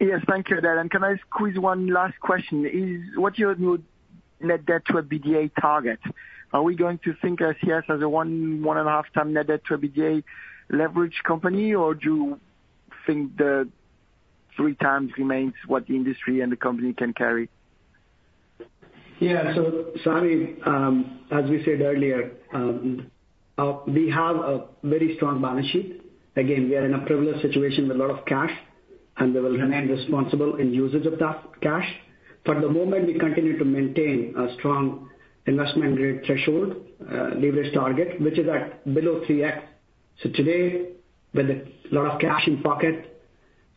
Yes, thank you, Adel. Can I squeeze one last question? What's your new net debt to EBITDA target? Are we going to think of SES as a 1-1.5x net debt to EBITDA leverage company, or do you think the 3x remains what the industry and the company can carry? Yeah. So, Sammy, as we said earlier, we have a very strong balance sheet. Again, we are in a privileged situation with a lot of cash, and we will remain responsible in usage of that cash. For the moment, we continue to maintain a strong investment-grade threshold, leverage target, which is at below 3x. So today, with a lot of cash in pocket,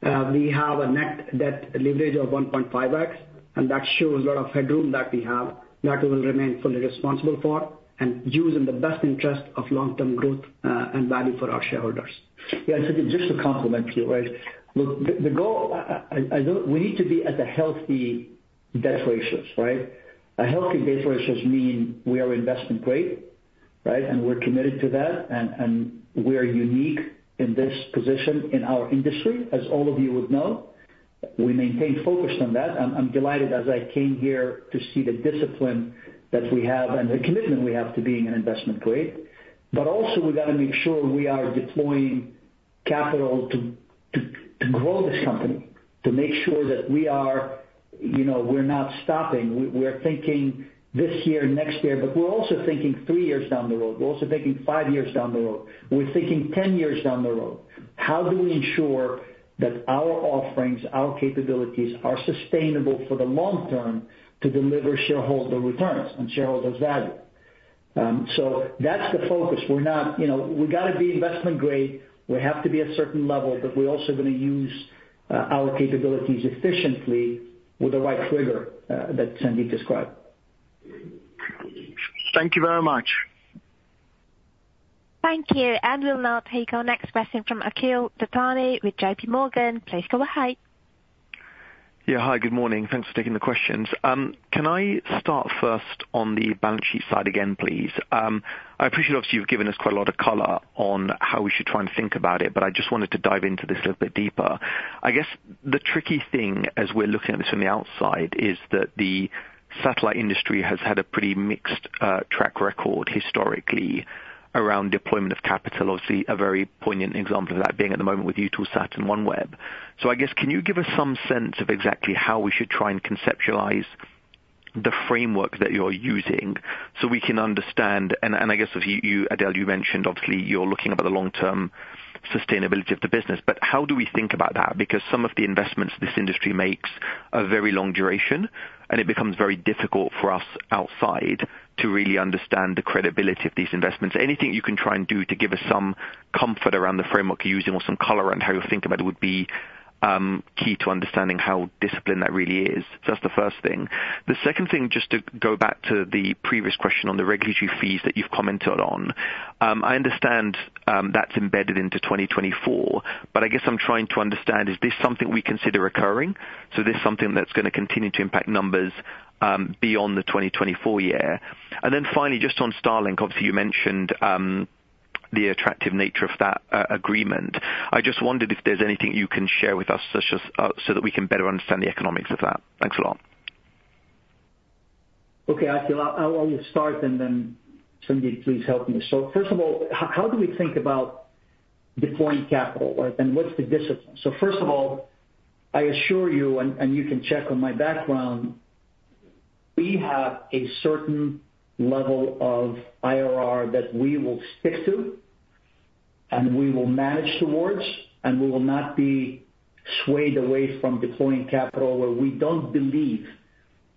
we have a net debt leverage of 1.5x, and that shows a lot of headroom that we have, that we will remain fully responsible for and use in the best interest of long-term growth, and value for our shareholders. Yeah, Sandeep, just to complement you, right? Look, the goal, I don't— We need to be at a healthy debt ratios, right? A healthy debt ratios mean we are Investment Grade, right? And we're committed to that, and we are unique in this position in our industry, as all of you would know. We maintain focus on that. I'm delighted as I came here to see the discipline that we have and the commitment we have to being an Investment Grade. But also, we've got to make sure we are deploying capital to grow this company, to make sure that we are, you know, we're not stopping. We're thinking this year, next year, but we're also thinking three years down the road. We're also thinking five years down the road. We're thinking ten years down the road. How do we ensure that our offerings, our capabilities, are sustainable for the long term to deliver shareholder returns and shareholder value? So that's the focus. We're not, you know, we've got to be Investment Grade. We have to be at a certain level, but we're also going to use our capabilities efficiently with the right trigger that Sandeep described. Thank you very much. Thank you. We'll now take our next question from Akhil Dattani with J.P. Morgan. Please go ahead. Yeah, hi, good morning. Thanks for taking the questions. Can I start first on the balance sheet side again, please? I appreciate, obviously, you've given us quite a lot of color on how we should try and think about it, but I just wanted to dive into this a little bit deeper. I guess the tricky thing, as we're looking at this from the outside, is that the satellite industry has had a pretty mixed track record historically around deployment of capital. Obviously, a very poignant example of that being at the moment with Eutelsat and OneWeb. So I guess, can you give us some sense of exactly how we should try and conceptualize the framework that you're using so we can understand? And, and I guess, as you, Adel, you mentioned, obviously, you're looking about the long-term sustainability of the business. But how do we think about that? Because some of the investments this industry makes are very long duration, and it becomes very difficult for us outside to really understand the credibility of these investments. Anything you can try and do to give us some comfort around the framework you're using or some color around how you think about it would be key to understanding how disciplined that really is. So that's the first thing. The second thing, just to go back to the previous question on the regulatory fees that you've commented on. I understand that's embedded into 2024, but I guess I'm trying to understand, is this something we consider recurring? So this is something that's going to continue to impact numbers beyond the 2024 year. And then finally, just on Starlink, obviously, you mentioned the attractive nature of that agreement. I just wondered if there's anything you can share with us, such as so that we can better understand the economics of that. Thanks a lot. Okay, Akhil, I'll start, and then, Sandeep, please help me. So first of all, how do we think about deploying capital, right? And what's the discipline? So first of all, I assure you, and you can check on my background, we have a certain level of IRR that we will stick to and we will manage towards, and we will not be swayed away from deploying capital where we don't believe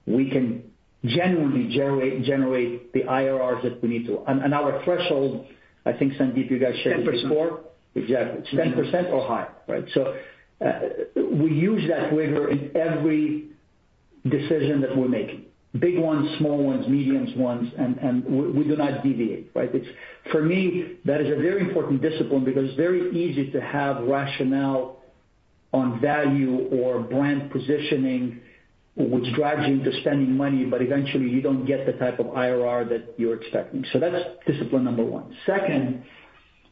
we can genuinely generate the IRRs that we need to. And our threshold, I think, Sandeep, you guys shared before. Ten percent. Exactly. 10% or higher, right? So, we use that rigor in every decision that we're making. Big ones, small ones, medium ones, and we do not deviate, right? It's. For me, that is a very important discipline because it's very easy to have rationale on value or brand positioning, which drives you into spending money, but eventually, you don't get the type of IRR that you're expecting. So that's discipline number one. Second,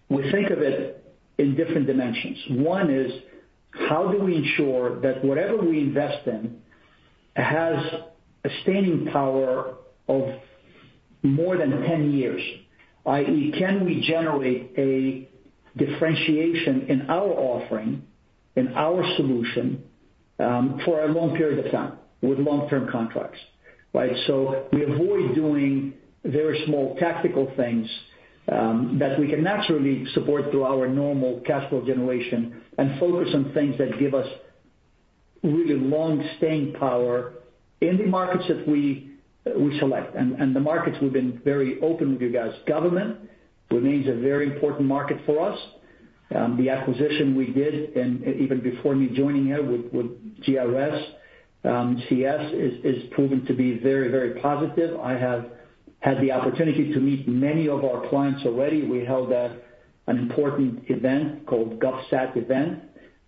we think of it in different dimensions. One is, how do we ensure that whatever we invest in has a staying power of more than 10 years, i.e., can we generate a differentiation in our offering, in our solution, for a long period of time with long-term contracts, right? So we avoid doing very small tactical things that we can naturally support through our normal cash flow generation, and focus on things that give us really long staying power in the markets that we select. And the markets, we've been very open with you guys. Government remains a very important market for us. The acquisition we did, and even before me joining here with GRS, CS, is proven to be very, very positive. I have had the opportunity to meet many of our clients already. We held an important event called GovSat Event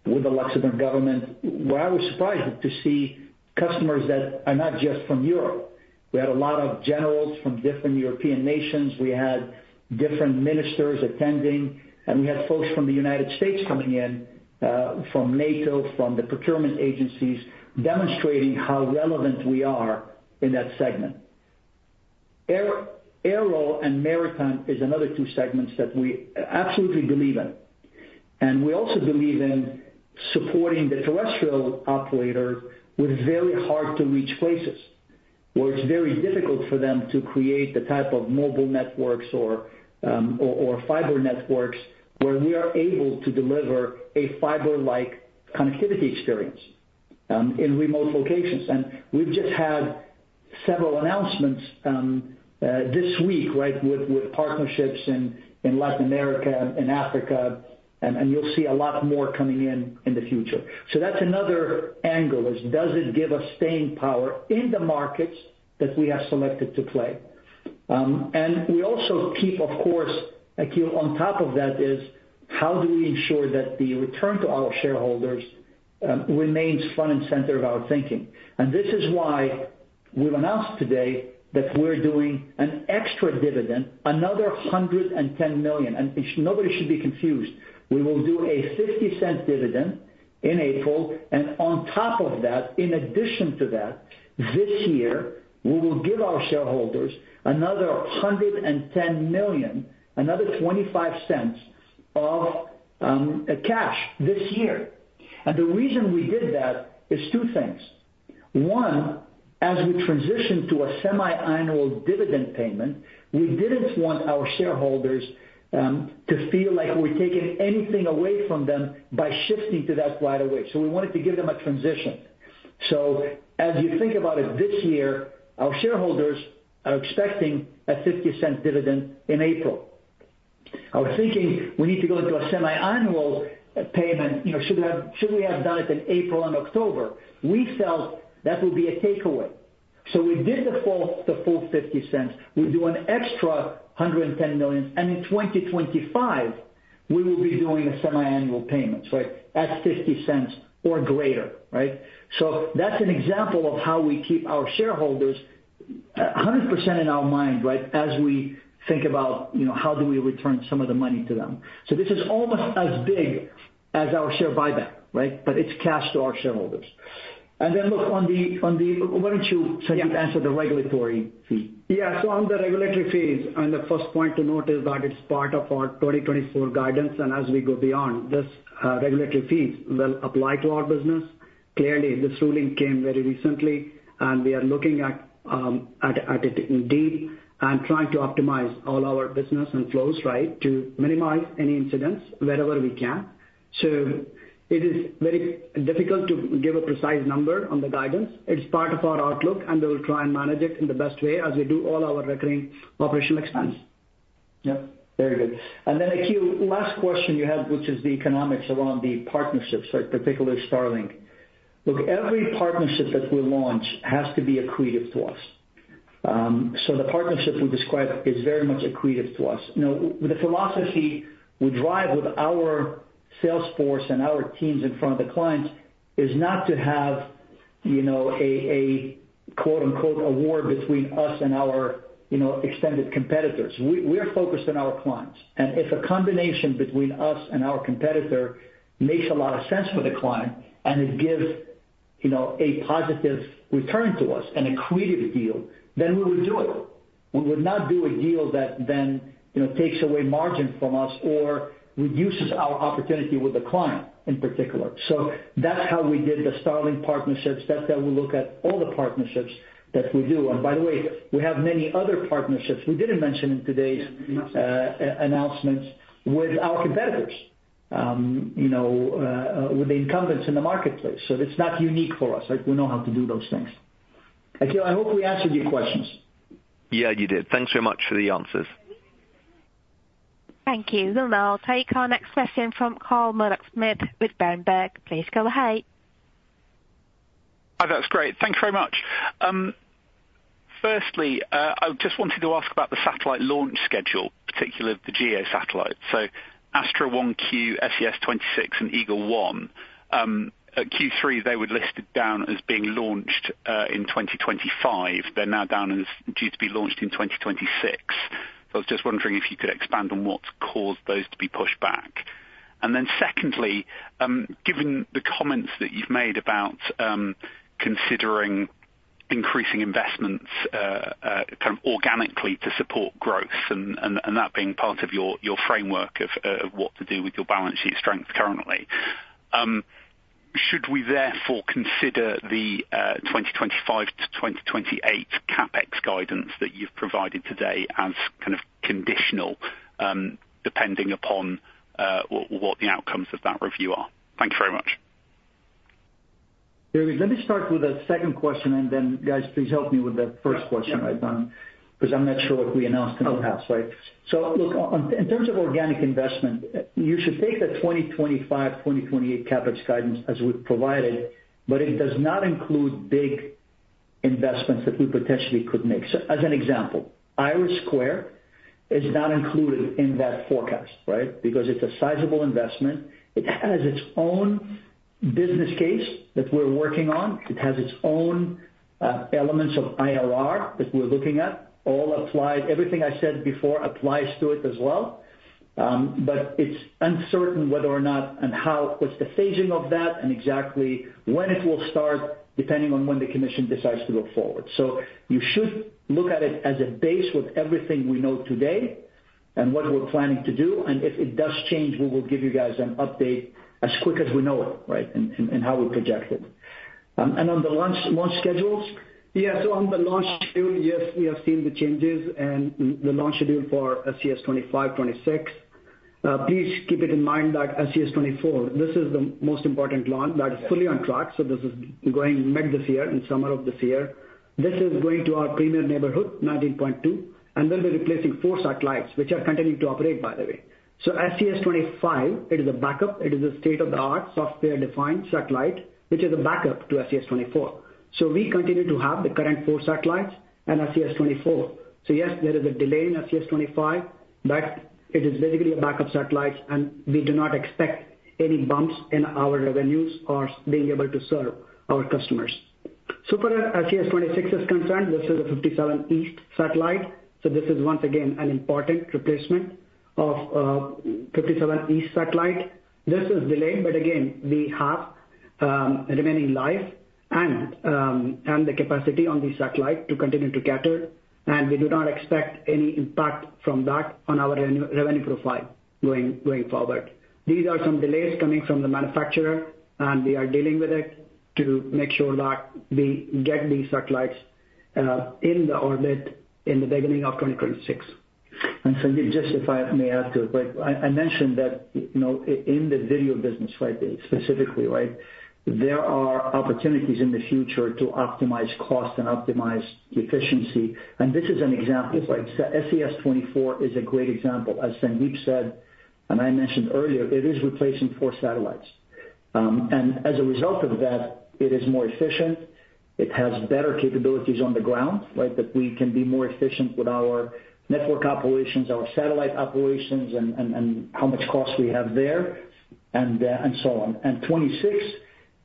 with the Luxembourg government, where I was surprised to see customers that are not just from Europe. We had a lot of generals from different European nations, we had different ministers attending, and we had folks from the United States coming in, from NATO, from the procurement agencies, demonstrating how relevant we are in that segment. Aero and maritime is another two segments that we absolutely believe in, and we also believe in supporting the terrestrial operator with very hard-to-reach places, where it's very difficult for them to create the type of mobile networks or fiber networks, where we are able to deliver a fiber-like connectivity experience, in remote locations. And we've just had several announcements, this week, right, with partnerships in Latin America and Africa, and you'll see a lot more coming in in the future. So that's another angle, is does it give us staying power in the markets that we have selected to play? And we also keep, of course, Akhil, on top of that is, how do we ensure that the return to our shareholders remains front and center of our thinking? And this is why we've announced today that we're doing an extra dividend, another 110 million. And nobody should be confused. We will do a €0.50 dividend in April, and on top of that, in addition to that, this year, we will give our shareholders another 110 million, another €0.25 of cash this year. And the reason we did that is two things. One, as we transition to a semiannual dividend payment, we didn't want our shareholders to feel like we're taking anything away from them by shifting to that right away, so we wanted to give them a transition. So as you think about it this year, our shareholders are expecting a 50-cent dividend in April. Our thinking, we need to go into a semiannual payment, you know, should we have done it in April and October? We felt that would be a takeaway. So we did the full 50 cents. We do an extra 110 million, and in 2025, we will be doing a semiannual payments, right? At 50 cents or greater, right? So that's an example of how we keep our shareholders 100% in our mind, right, as we think about, you know, how do we return some of the money to them. So this is almost as big as our share buyback, right? But it's cash to our shareholders. And then, look, on the, on the... Why don't you, Sandeep, answer the regulatory fee? Yeah. So on the regulatory fees, and the first point to note is that it's part of our 2024 guidance, and as we go beyond this, regulatory fees will apply to our business. Clearly, this ruling came very recently, and we are looking at it indeed, and trying to optimize all our business and flows, right, to minimize any incidents wherever we can. So it is very difficult to give a precise number on the guidance. It's part of our outlook, and we will try and manage it in the best way, as we do all our recurring operational expense. Yeah, very good. And then, Akhil, last question you had, which is the economics around the partnerships, right, particularly Starlink. Look, every partnership that we launch has to be accretive to us. So the partnership we described is very much accretive to us. You know, the philosophy we drive with our sales force and our teams in front of the clients is not to have, you know, a quote, unquote, "a war between us and our" you know, "extended competitors." We are focused on our clients, and if a combination between us and our competitor makes a lot of sense for the client and it gives, you know, a positive return to us and accretive deal, then we would do it. We would not do a deal that then, you know, takes away margin from us or reduces our opportunity with the client, in particular. So that's how we did the Starlink partnerships, that's how we look at all the partnerships that we do. And by the way, we have many other partnerships we didn't mention in today's Yes... announcements with our competitors, you know, with the incumbents in the marketplace. So it's not unique for us, like, we know how to do those things. Akhil, I hope we answered your questions. Yeah, you did. Thanks so much for the answers. Thank you. Then I'll take our next question from Carl Murdock-Smith with Bernstein. Please go ahead. Hi, that's great. Thank you very much. Firstly, I just wanted to ask about the satellite launch schedule, particularly the GEO satellite, so Astra 1Q, SES-26, and EAGLE-1. At Q3, they were listed down as being launched in 2025. They're now down and due to be launched in 2026. So I was just wondering if you could expand on what's caused those to be pushed back. And then secondly, given the comments that you've made about considering increasing investments kind of organically to support growth and that being part of your framework of what to do with your balance sheet strength currently. Should we therefore consider the 2025 to 2028 CapEx guidance that you've provided today as kind of conditional, depending upon what the outcomes of that review are? Thank you very much. David, let me start with the second question, and then, guys, please help me with the first question I've done, because I'm not sure what we announced in the past, right? So look, in terms of organic investment, you should take the 2025, 2028 CapEx guidance as we've provided, but it does not include big investments that we potentially could make. So as an example, IRIS² is not included in that forecast, right? Because it's a sizable investment. It has its own business case that we're working on. It has its own, elements of IRR that we're looking at. All applied, everything I said before applies to it as well. But it's uncertain whether or not, and how, what's the phasing of that and exactly when it will start, depending on when the commission decides to go forward. So you should look at it as a base with everything we know today and what we're planning to do, and if it does change, we will give you guys an update as quick as we know it, right, and how we project it. And on the launch schedules? Yeah, so on the launch schedule, yes, we have seen the changes and the launch schedule for SES-25, 26. Please keep it in mind that SES-24, this is the most important launch that is fully on track, so this is going mid this year, in summer of this year. This is going to our premium neighborhood, 19.2, and we'll be replacing four satellites, which are continuing to operate, by the way. So SES-25, it is a backup. It is a state-of-the-art, software-defined satellite, which is a backup to SES-24. So we continue to have the current four satellites and SES-24. So yes, there is a delay in SES-25, but it is basically a backup satellite, and we do not expect any bumps in our revenues or being able to serve our customers. So for SES-26 is concerned, this is a 57 degrees east satellite, so this is once again an important replacement of, 57 degrees east satellite. This is delayed, but again, we have, remaining life and, and the capacity on the satellite to continue to gather, and we do not expect any impact from that on our revenue profile going forward. These are some delays coming from the manufacturer, and we are dealing with it to make sure that we get these satellites, in the orbit in the beginning of 2026. And Sandeep, just if I may add to it, but I mentioned that, you know, in the video business, right, specifically, right, there are opportunities in the future to optimize cost and optimize efficiency. And this is an example, like SES-24 is a great example. As Sandeep said, and I mentioned earlier, it is replacing 4 satellites. And as a result of that, it is more efficient, it has better capabilities on the ground, right? That we can be more efficient with our network operations, our satellite operations, and how much cost we have there, and so on. And 26,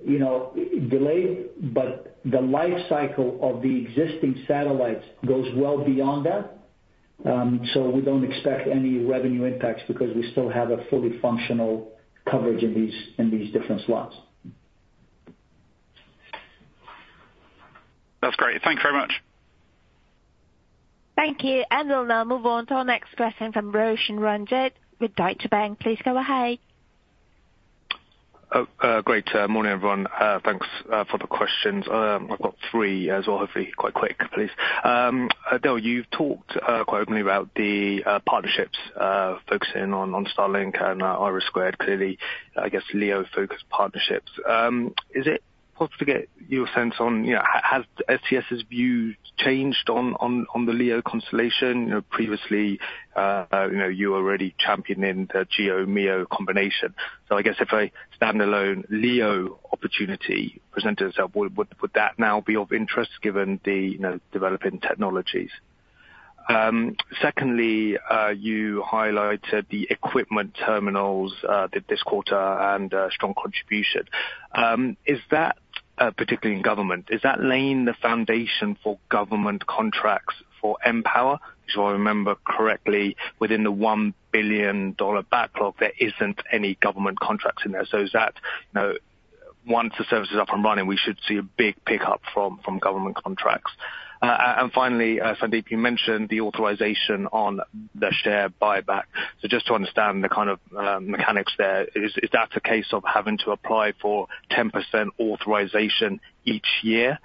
you know, delayed, but the life cycle of the existing satellites goes well beyond that. So we don't expect any revenue impacts because we still have a fully functional coverage in these, in these different slots. That's great. Thank you very much. Thank you. We'll now move on to our next question from Roshan Ranjit with Deutsche Bank. Please go ahead. Great morning, everyone. Thanks for the questions. I've got three as well. Hopefully, quite quick, please. Adel, you've talked quite openly about the partnerships focusing on Starlink and IRIS². Clearly, I guess, LEO-focused partnerships. Is it possible to get your sense on, you know, has SES's view changed on the LEO constellation? You know, previously, you know, you were already championing the GEO, MEO combination. So I guess if a standalone LEO opportunity presented itself, would that now be of interest given the, you know, developing technologies? Secondly, you highlighted the equipment terminals this quarter and strong contribution. Is that, particularly in government, laying the foundation for government contracts for mPOWER? Which if I remember correctly, within the $1 billion backlog, there isn't any government contracts in there. So is that, you know, once the service is up and running, we should see a big pickup from government contracts. And finally, Sandeep, you mentioned the authorization on the share buyback. So just to understand the kind of mechanics there, is that a case of having to apply for 10% authorization each year?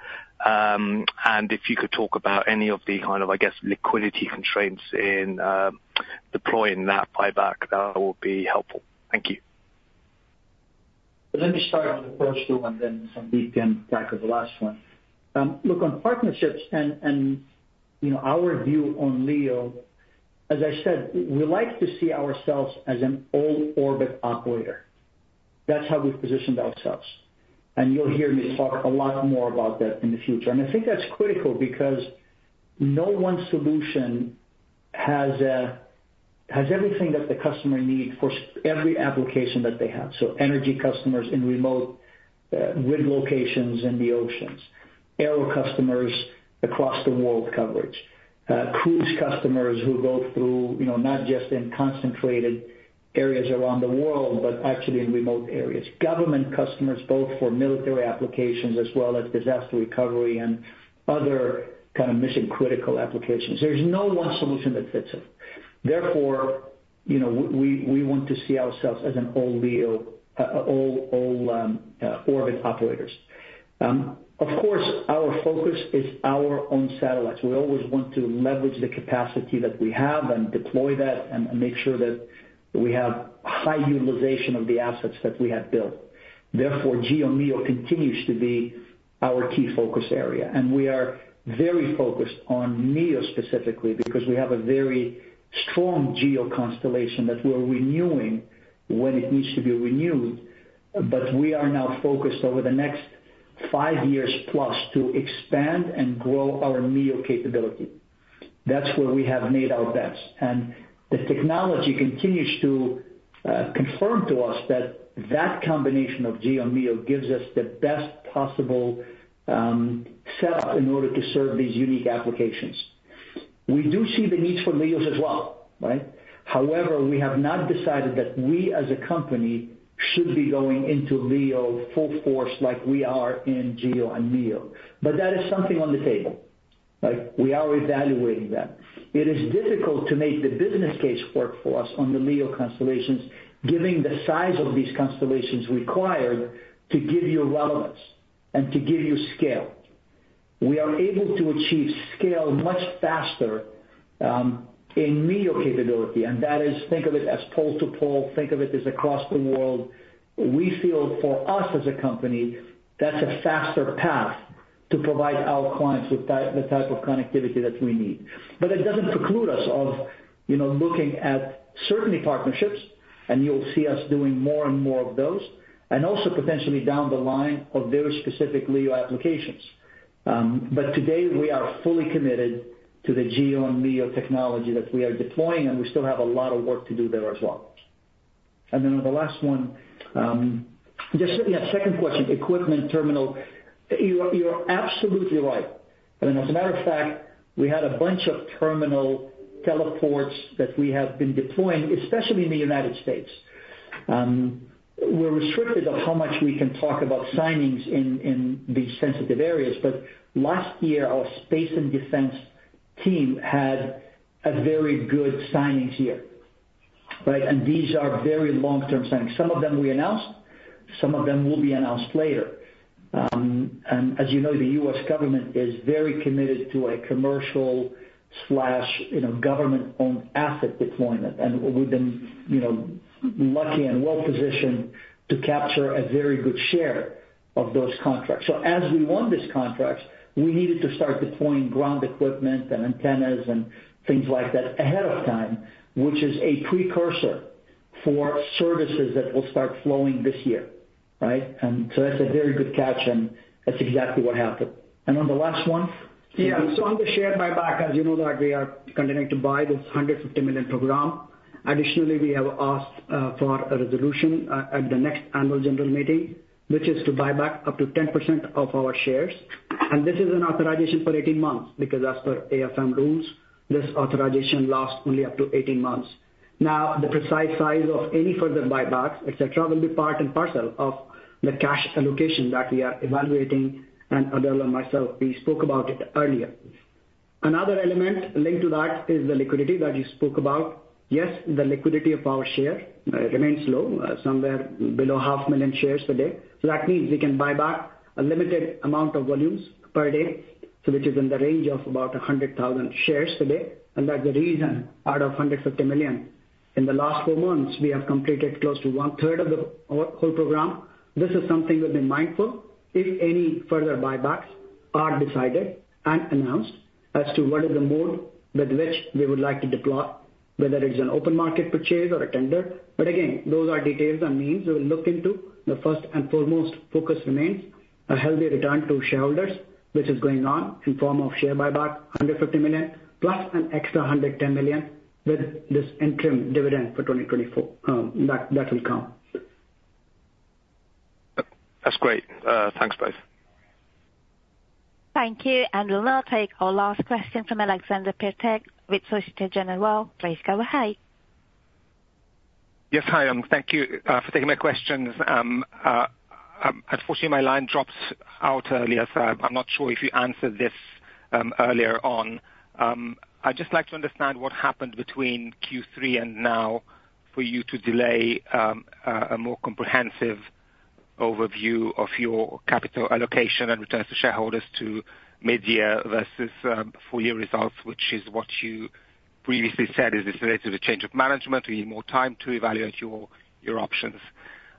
And if you could talk about any of the kind of, I guess, liquidity constraints in deploying that buyback, that would be helpful. Thank you. Let me start on the first two, and then Sandeep can tackle the last one. Look, on partnerships and, you know, our view on LEO, as I said, we like to see ourselves as an all-orbit operator. That's how we've positioned ourselves, and you'll hear me talk a lot more about that in the future. And I think that's critical, because no one solution has everything that the customer needs for every application that they have. So energy customers in remote grid locations in the oceans, aero customers across the world coverage, cruise customers who go through, you know, not just in concentrated areas around the world, but actually in remote areas. Government customers, both for military applications as well as disaster recovery and other kind of mission-critical applications. There's no one solution that fits it. Therefore, you know, we, we want to see ourselves as an all LEO, all orbit operators. Of course, our focus is our own satellites. We always want to leverage the capacity that we have and deploy that and make sure that we have high utilization of the assets that we have built. Therefore, GEO MEO continues to be our key focus area, and we are very focused on MEO specifically because we have a very strong GEO constellation that we're renewing when it needs to be renewed. But we are now focused over the next five years plus to expand and grow our MEO capability. That's where we have made our bets, and the technology continues to confirm to us that that combination of GEO and MEO gives us the best possible setup in order to serve these unique applications. We do see the need for LEOs as well, right? However, we have not decided that we, as a company, should be going into LEO full force like we are in GEO and MEO. But that is something on the table, right? We are evaluating that. It is difficult to make the business case work for us on the LEO constellations, giving the size of these constellations required to give you relevance and to give you scale. We are able to achieve scale much faster in MEO capability, and that is, think of it as pole to pole, think of it as across the world. We feel for us as a company, that's a faster path to provide our clients with the type of connectivity that we need. But that doesn't preclude us of, you know, looking at certainly partnerships, and you'll see us doing more and more of those, and also potentially down the line of very specific LEO applications. But today, we are fully committed to the GEO and MEO technology that we are deploying, and we still have a lot of work to do there as well. And then on the last one, just, yeah, second question, equipment terminal. You are, you are absolutely right. I mean, as a matter of fact, we had a bunch of terminal teleports that we have been deploying, especially in the United States. We're restricted on how much we can talk about signings in, in these sensitive areas, but last year, our Space & Defense team had a very good signings year, right? And these are very long-term signings. Some of them we announced, some of them will be announced later. And as you know, the U.S. government is very committed to a commercial slash, you know, government-owned asset deployment, and we've been, you know, lucky and well positioned to capture a very good share of those contracts. So as we won this contract, we needed to start deploying ground equipment and antennas and things like that ahead of time, which is a precursor for services that will start flowing this year, right? And so that's a very good catch, and that's exactly what happened. And on the last one? Yeah, so on the share buyback, as you know that we are continuing to buy this 150 million program. Additionally, we have asked for a resolution at the next annual general meeting, which is to buy back up to 10% of our shares. And this is an authorization for 18 months, because as per AMF rules, this authorization lasts only up to 18 months. Now, the precise size of any further buybacks, et cetera, will be part and parcel of the cash allocation that we are evaluating, and Adel and myself, we spoke about it earlier. Another element linked to that is the liquidity that you spoke about. Yes, the liquidity of our share remains low, somewhere below 500,000 shares today. So that means we can buy back a limited amount of volumes per day, so which is in the range of about 100,000 shares today. That's the reason, out of 150 million, in the last 4 months, we have completed close to one-third of the whole, whole program. This is something we've been mindful. If any further buybacks are decided and announced as to what is the mode with which we would like to deploy, whether it's an open market purchase or a tender. But again, those are details and means we will look into. The first and foremost focus remains a healthy return to shareholders, which is going on in form of share buyback, 150 million, plus an extra 110 million with this interim dividend for 2024, that, that will come. That's great. Thanks, both. Thank you. We'll now take our last question from Alexander Peterc with Société Générale. Please go ahead. Yes, hi, thank you for taking my questions. Unfortunately, my line dropped out earlier, so I'm not sure if you answered this earlier on. I'd just like to understand what happened between Q3 and now for you to delay a more comprehensive overview of your capital allocation and return to shareholders to mid-year versus full year results, which is what you previously said. Is this related to the change of management? Do you need more time to evaluate your options?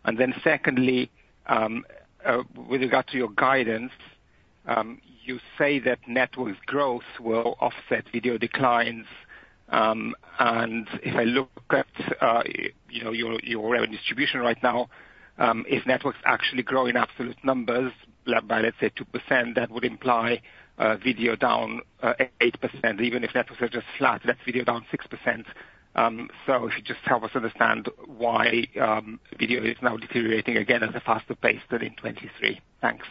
And then secondly, with regard to your guidance, you say that network growth will offset video declines. And if I look at, you know, your revenue distribution right now, if networks actually grow in absolute numbers by, let's say, 2%, that would imply video down 8%. Even if networks are just flat, that's video down 6%. So if you just help us understand why, video is now deteriorating again at a faster pace than in 2023. Thanks.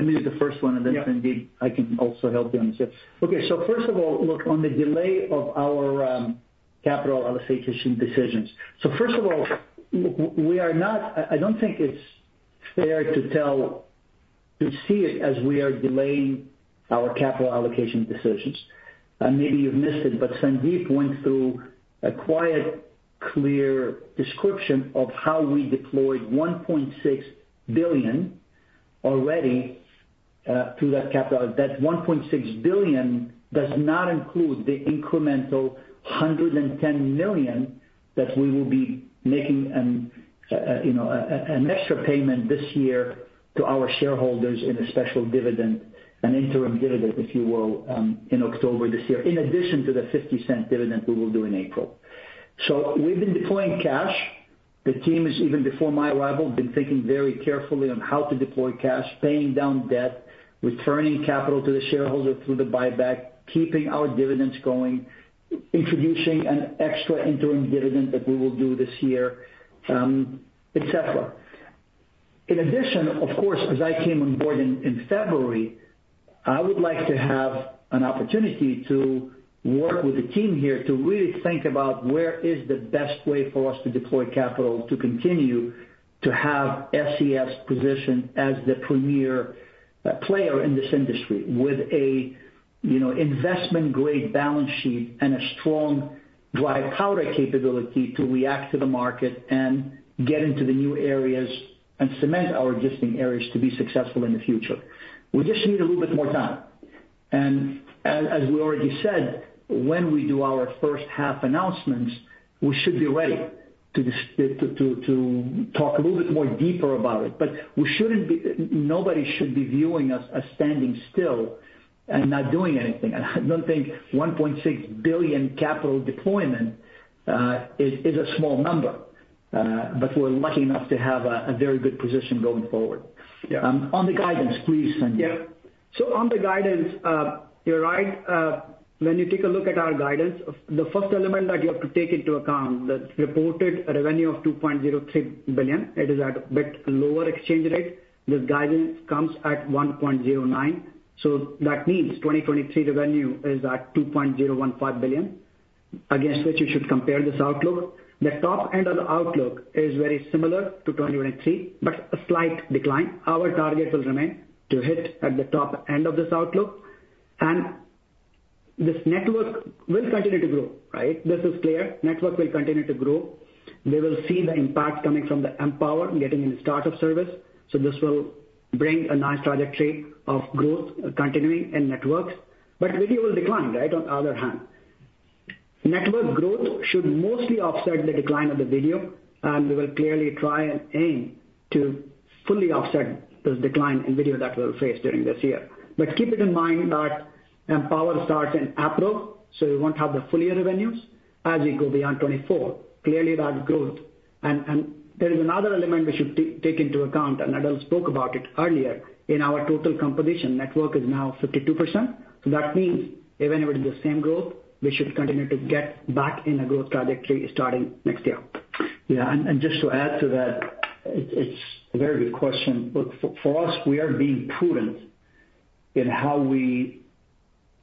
Let me do the first one, and then, Sandeep, I can also help you on this. Okay, so first of all, look, on the delay of our, capital allocation decisions. So first of all, we are not. I don't think it's fair to tell, to see it as we are delaying our capital allocation decisions. And maybe you've missed it, but Sandeep went through a quite clear description of how we deployed 1.6 billion already, through that capital. That 1.6 billion does not include the incremental 110 million that we will be making, you know, an extra payment this year to our shareholders in a special dividend, an interim dividend, if you will, in October this year, in addition to the 0.50 dividend we will do in April. So we've been deploying cash. The team has, even before my arrival, been thinking very carefully on how to deploy cash, paying down debt, returning capital to the shareholder through the buyback, keeping our dividends going, introducing an extra interim dividend that we will do this year, et cetera. In addition, of course, as I came on board in February, I would like to have an opportunity to work with the team here to really think about where is the best way for us to deploy capital, to continue to have SES positioned as the premier player in this industry. With a, you know, investment-grade balance sheet and a strong dry powder capability to react to the market and get into the new areas and cement our existing areas to be successful in the future. We just need a little bit more time. As we already said, when we do our first half announcements, we should be ready to talk a little bit more deeper about it. But we shouldn't be. Nobody should be viewing us as standing still and not doing anything. I don't think 1.6 billion capital deployment is a small number, but we're lucky enough to have a very good position going forward. Yeah. On the guidance, please, Sandeep. Yeah. So on the guidance, you're right. When you take a look at our guidance, the first element that you have to take into account, the reported revenue of 2.06 billion, it is at a bit lower exchange rate. This guidance comes at 1.09. So that means 2023 revenue is at 2.015 billion, against which you should compare this outlook. The top end of the outlook is very similar to 2023, but a slight decline. Our target will remain to hit at the top end of this outlook, and this network will continue to grow, right? This is clear. Network will continue to grow. We will see the impact coming from the mPOWER getting in the start of service, so this will bring a nice trajectory of growth continuing in networks, but video will decline, right, on the other hand. Network growth should mostly offset the decline of the video, and we will clearly try and aim to fully offset this decline in video that we'll face during this year. But keep it in mind that mPOWER starts in April, so we won't have the full year revenues as we go beyond 2024. Clearly, that's growth. And there is another element we should take into account, and Adel spoke about it earlier. In our total composition, network is now 52%. So that means even if it is the same growth, we should continue to get back in a growth trajectory starting next year. Yeah, and just to add to that, it's a very good question. Look, for us, we are being prudent in how we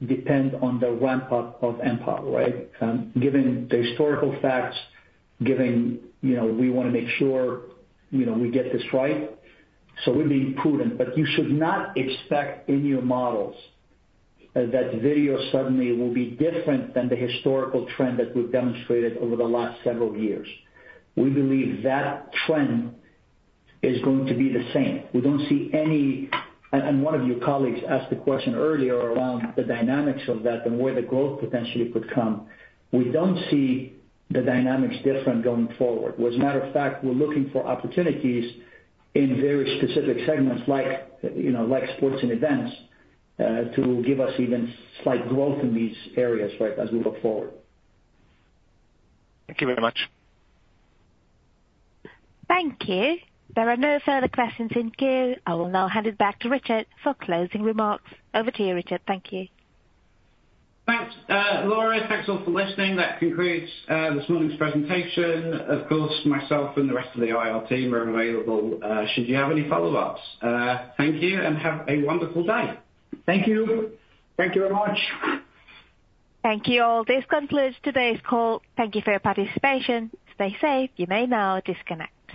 depend on the ramp-up of mPOWER, right? Given the historical facts, given, you know, we want to make sure, you know, we get this right, so we're being prudent. But you should not expect in your models that video suddenly will be different than the historical trend that we've demonstrated over the last several years. We believe that trend is going to be the same. We don't see any... And one of your colleagues asked a question earlier around the dynamics of that and where the growth potentially could come. We don't see the dynamics different going forward. As a matter of fact, we're looking for opportunities in very specific segments like, you know, like sports and events, to give us even slight growth in these areas, right, as we look forward. Thank you very much. Thank you. There are no further questions in queue. I will now hand it back to Richard for closing remarks. Over to you, Richard. Thank you. Thanks, Laura. Thanks, all, for listening. That concludes this morning's presentation. Of course, myself and the rest of the IR team are available should you have any follow-ups. Thank you, and have a wonderful day. Thank you. Thank you very much. Thank you, all. This concludes today's call. Thank you for your participation. Stay safe. You may now disconnect.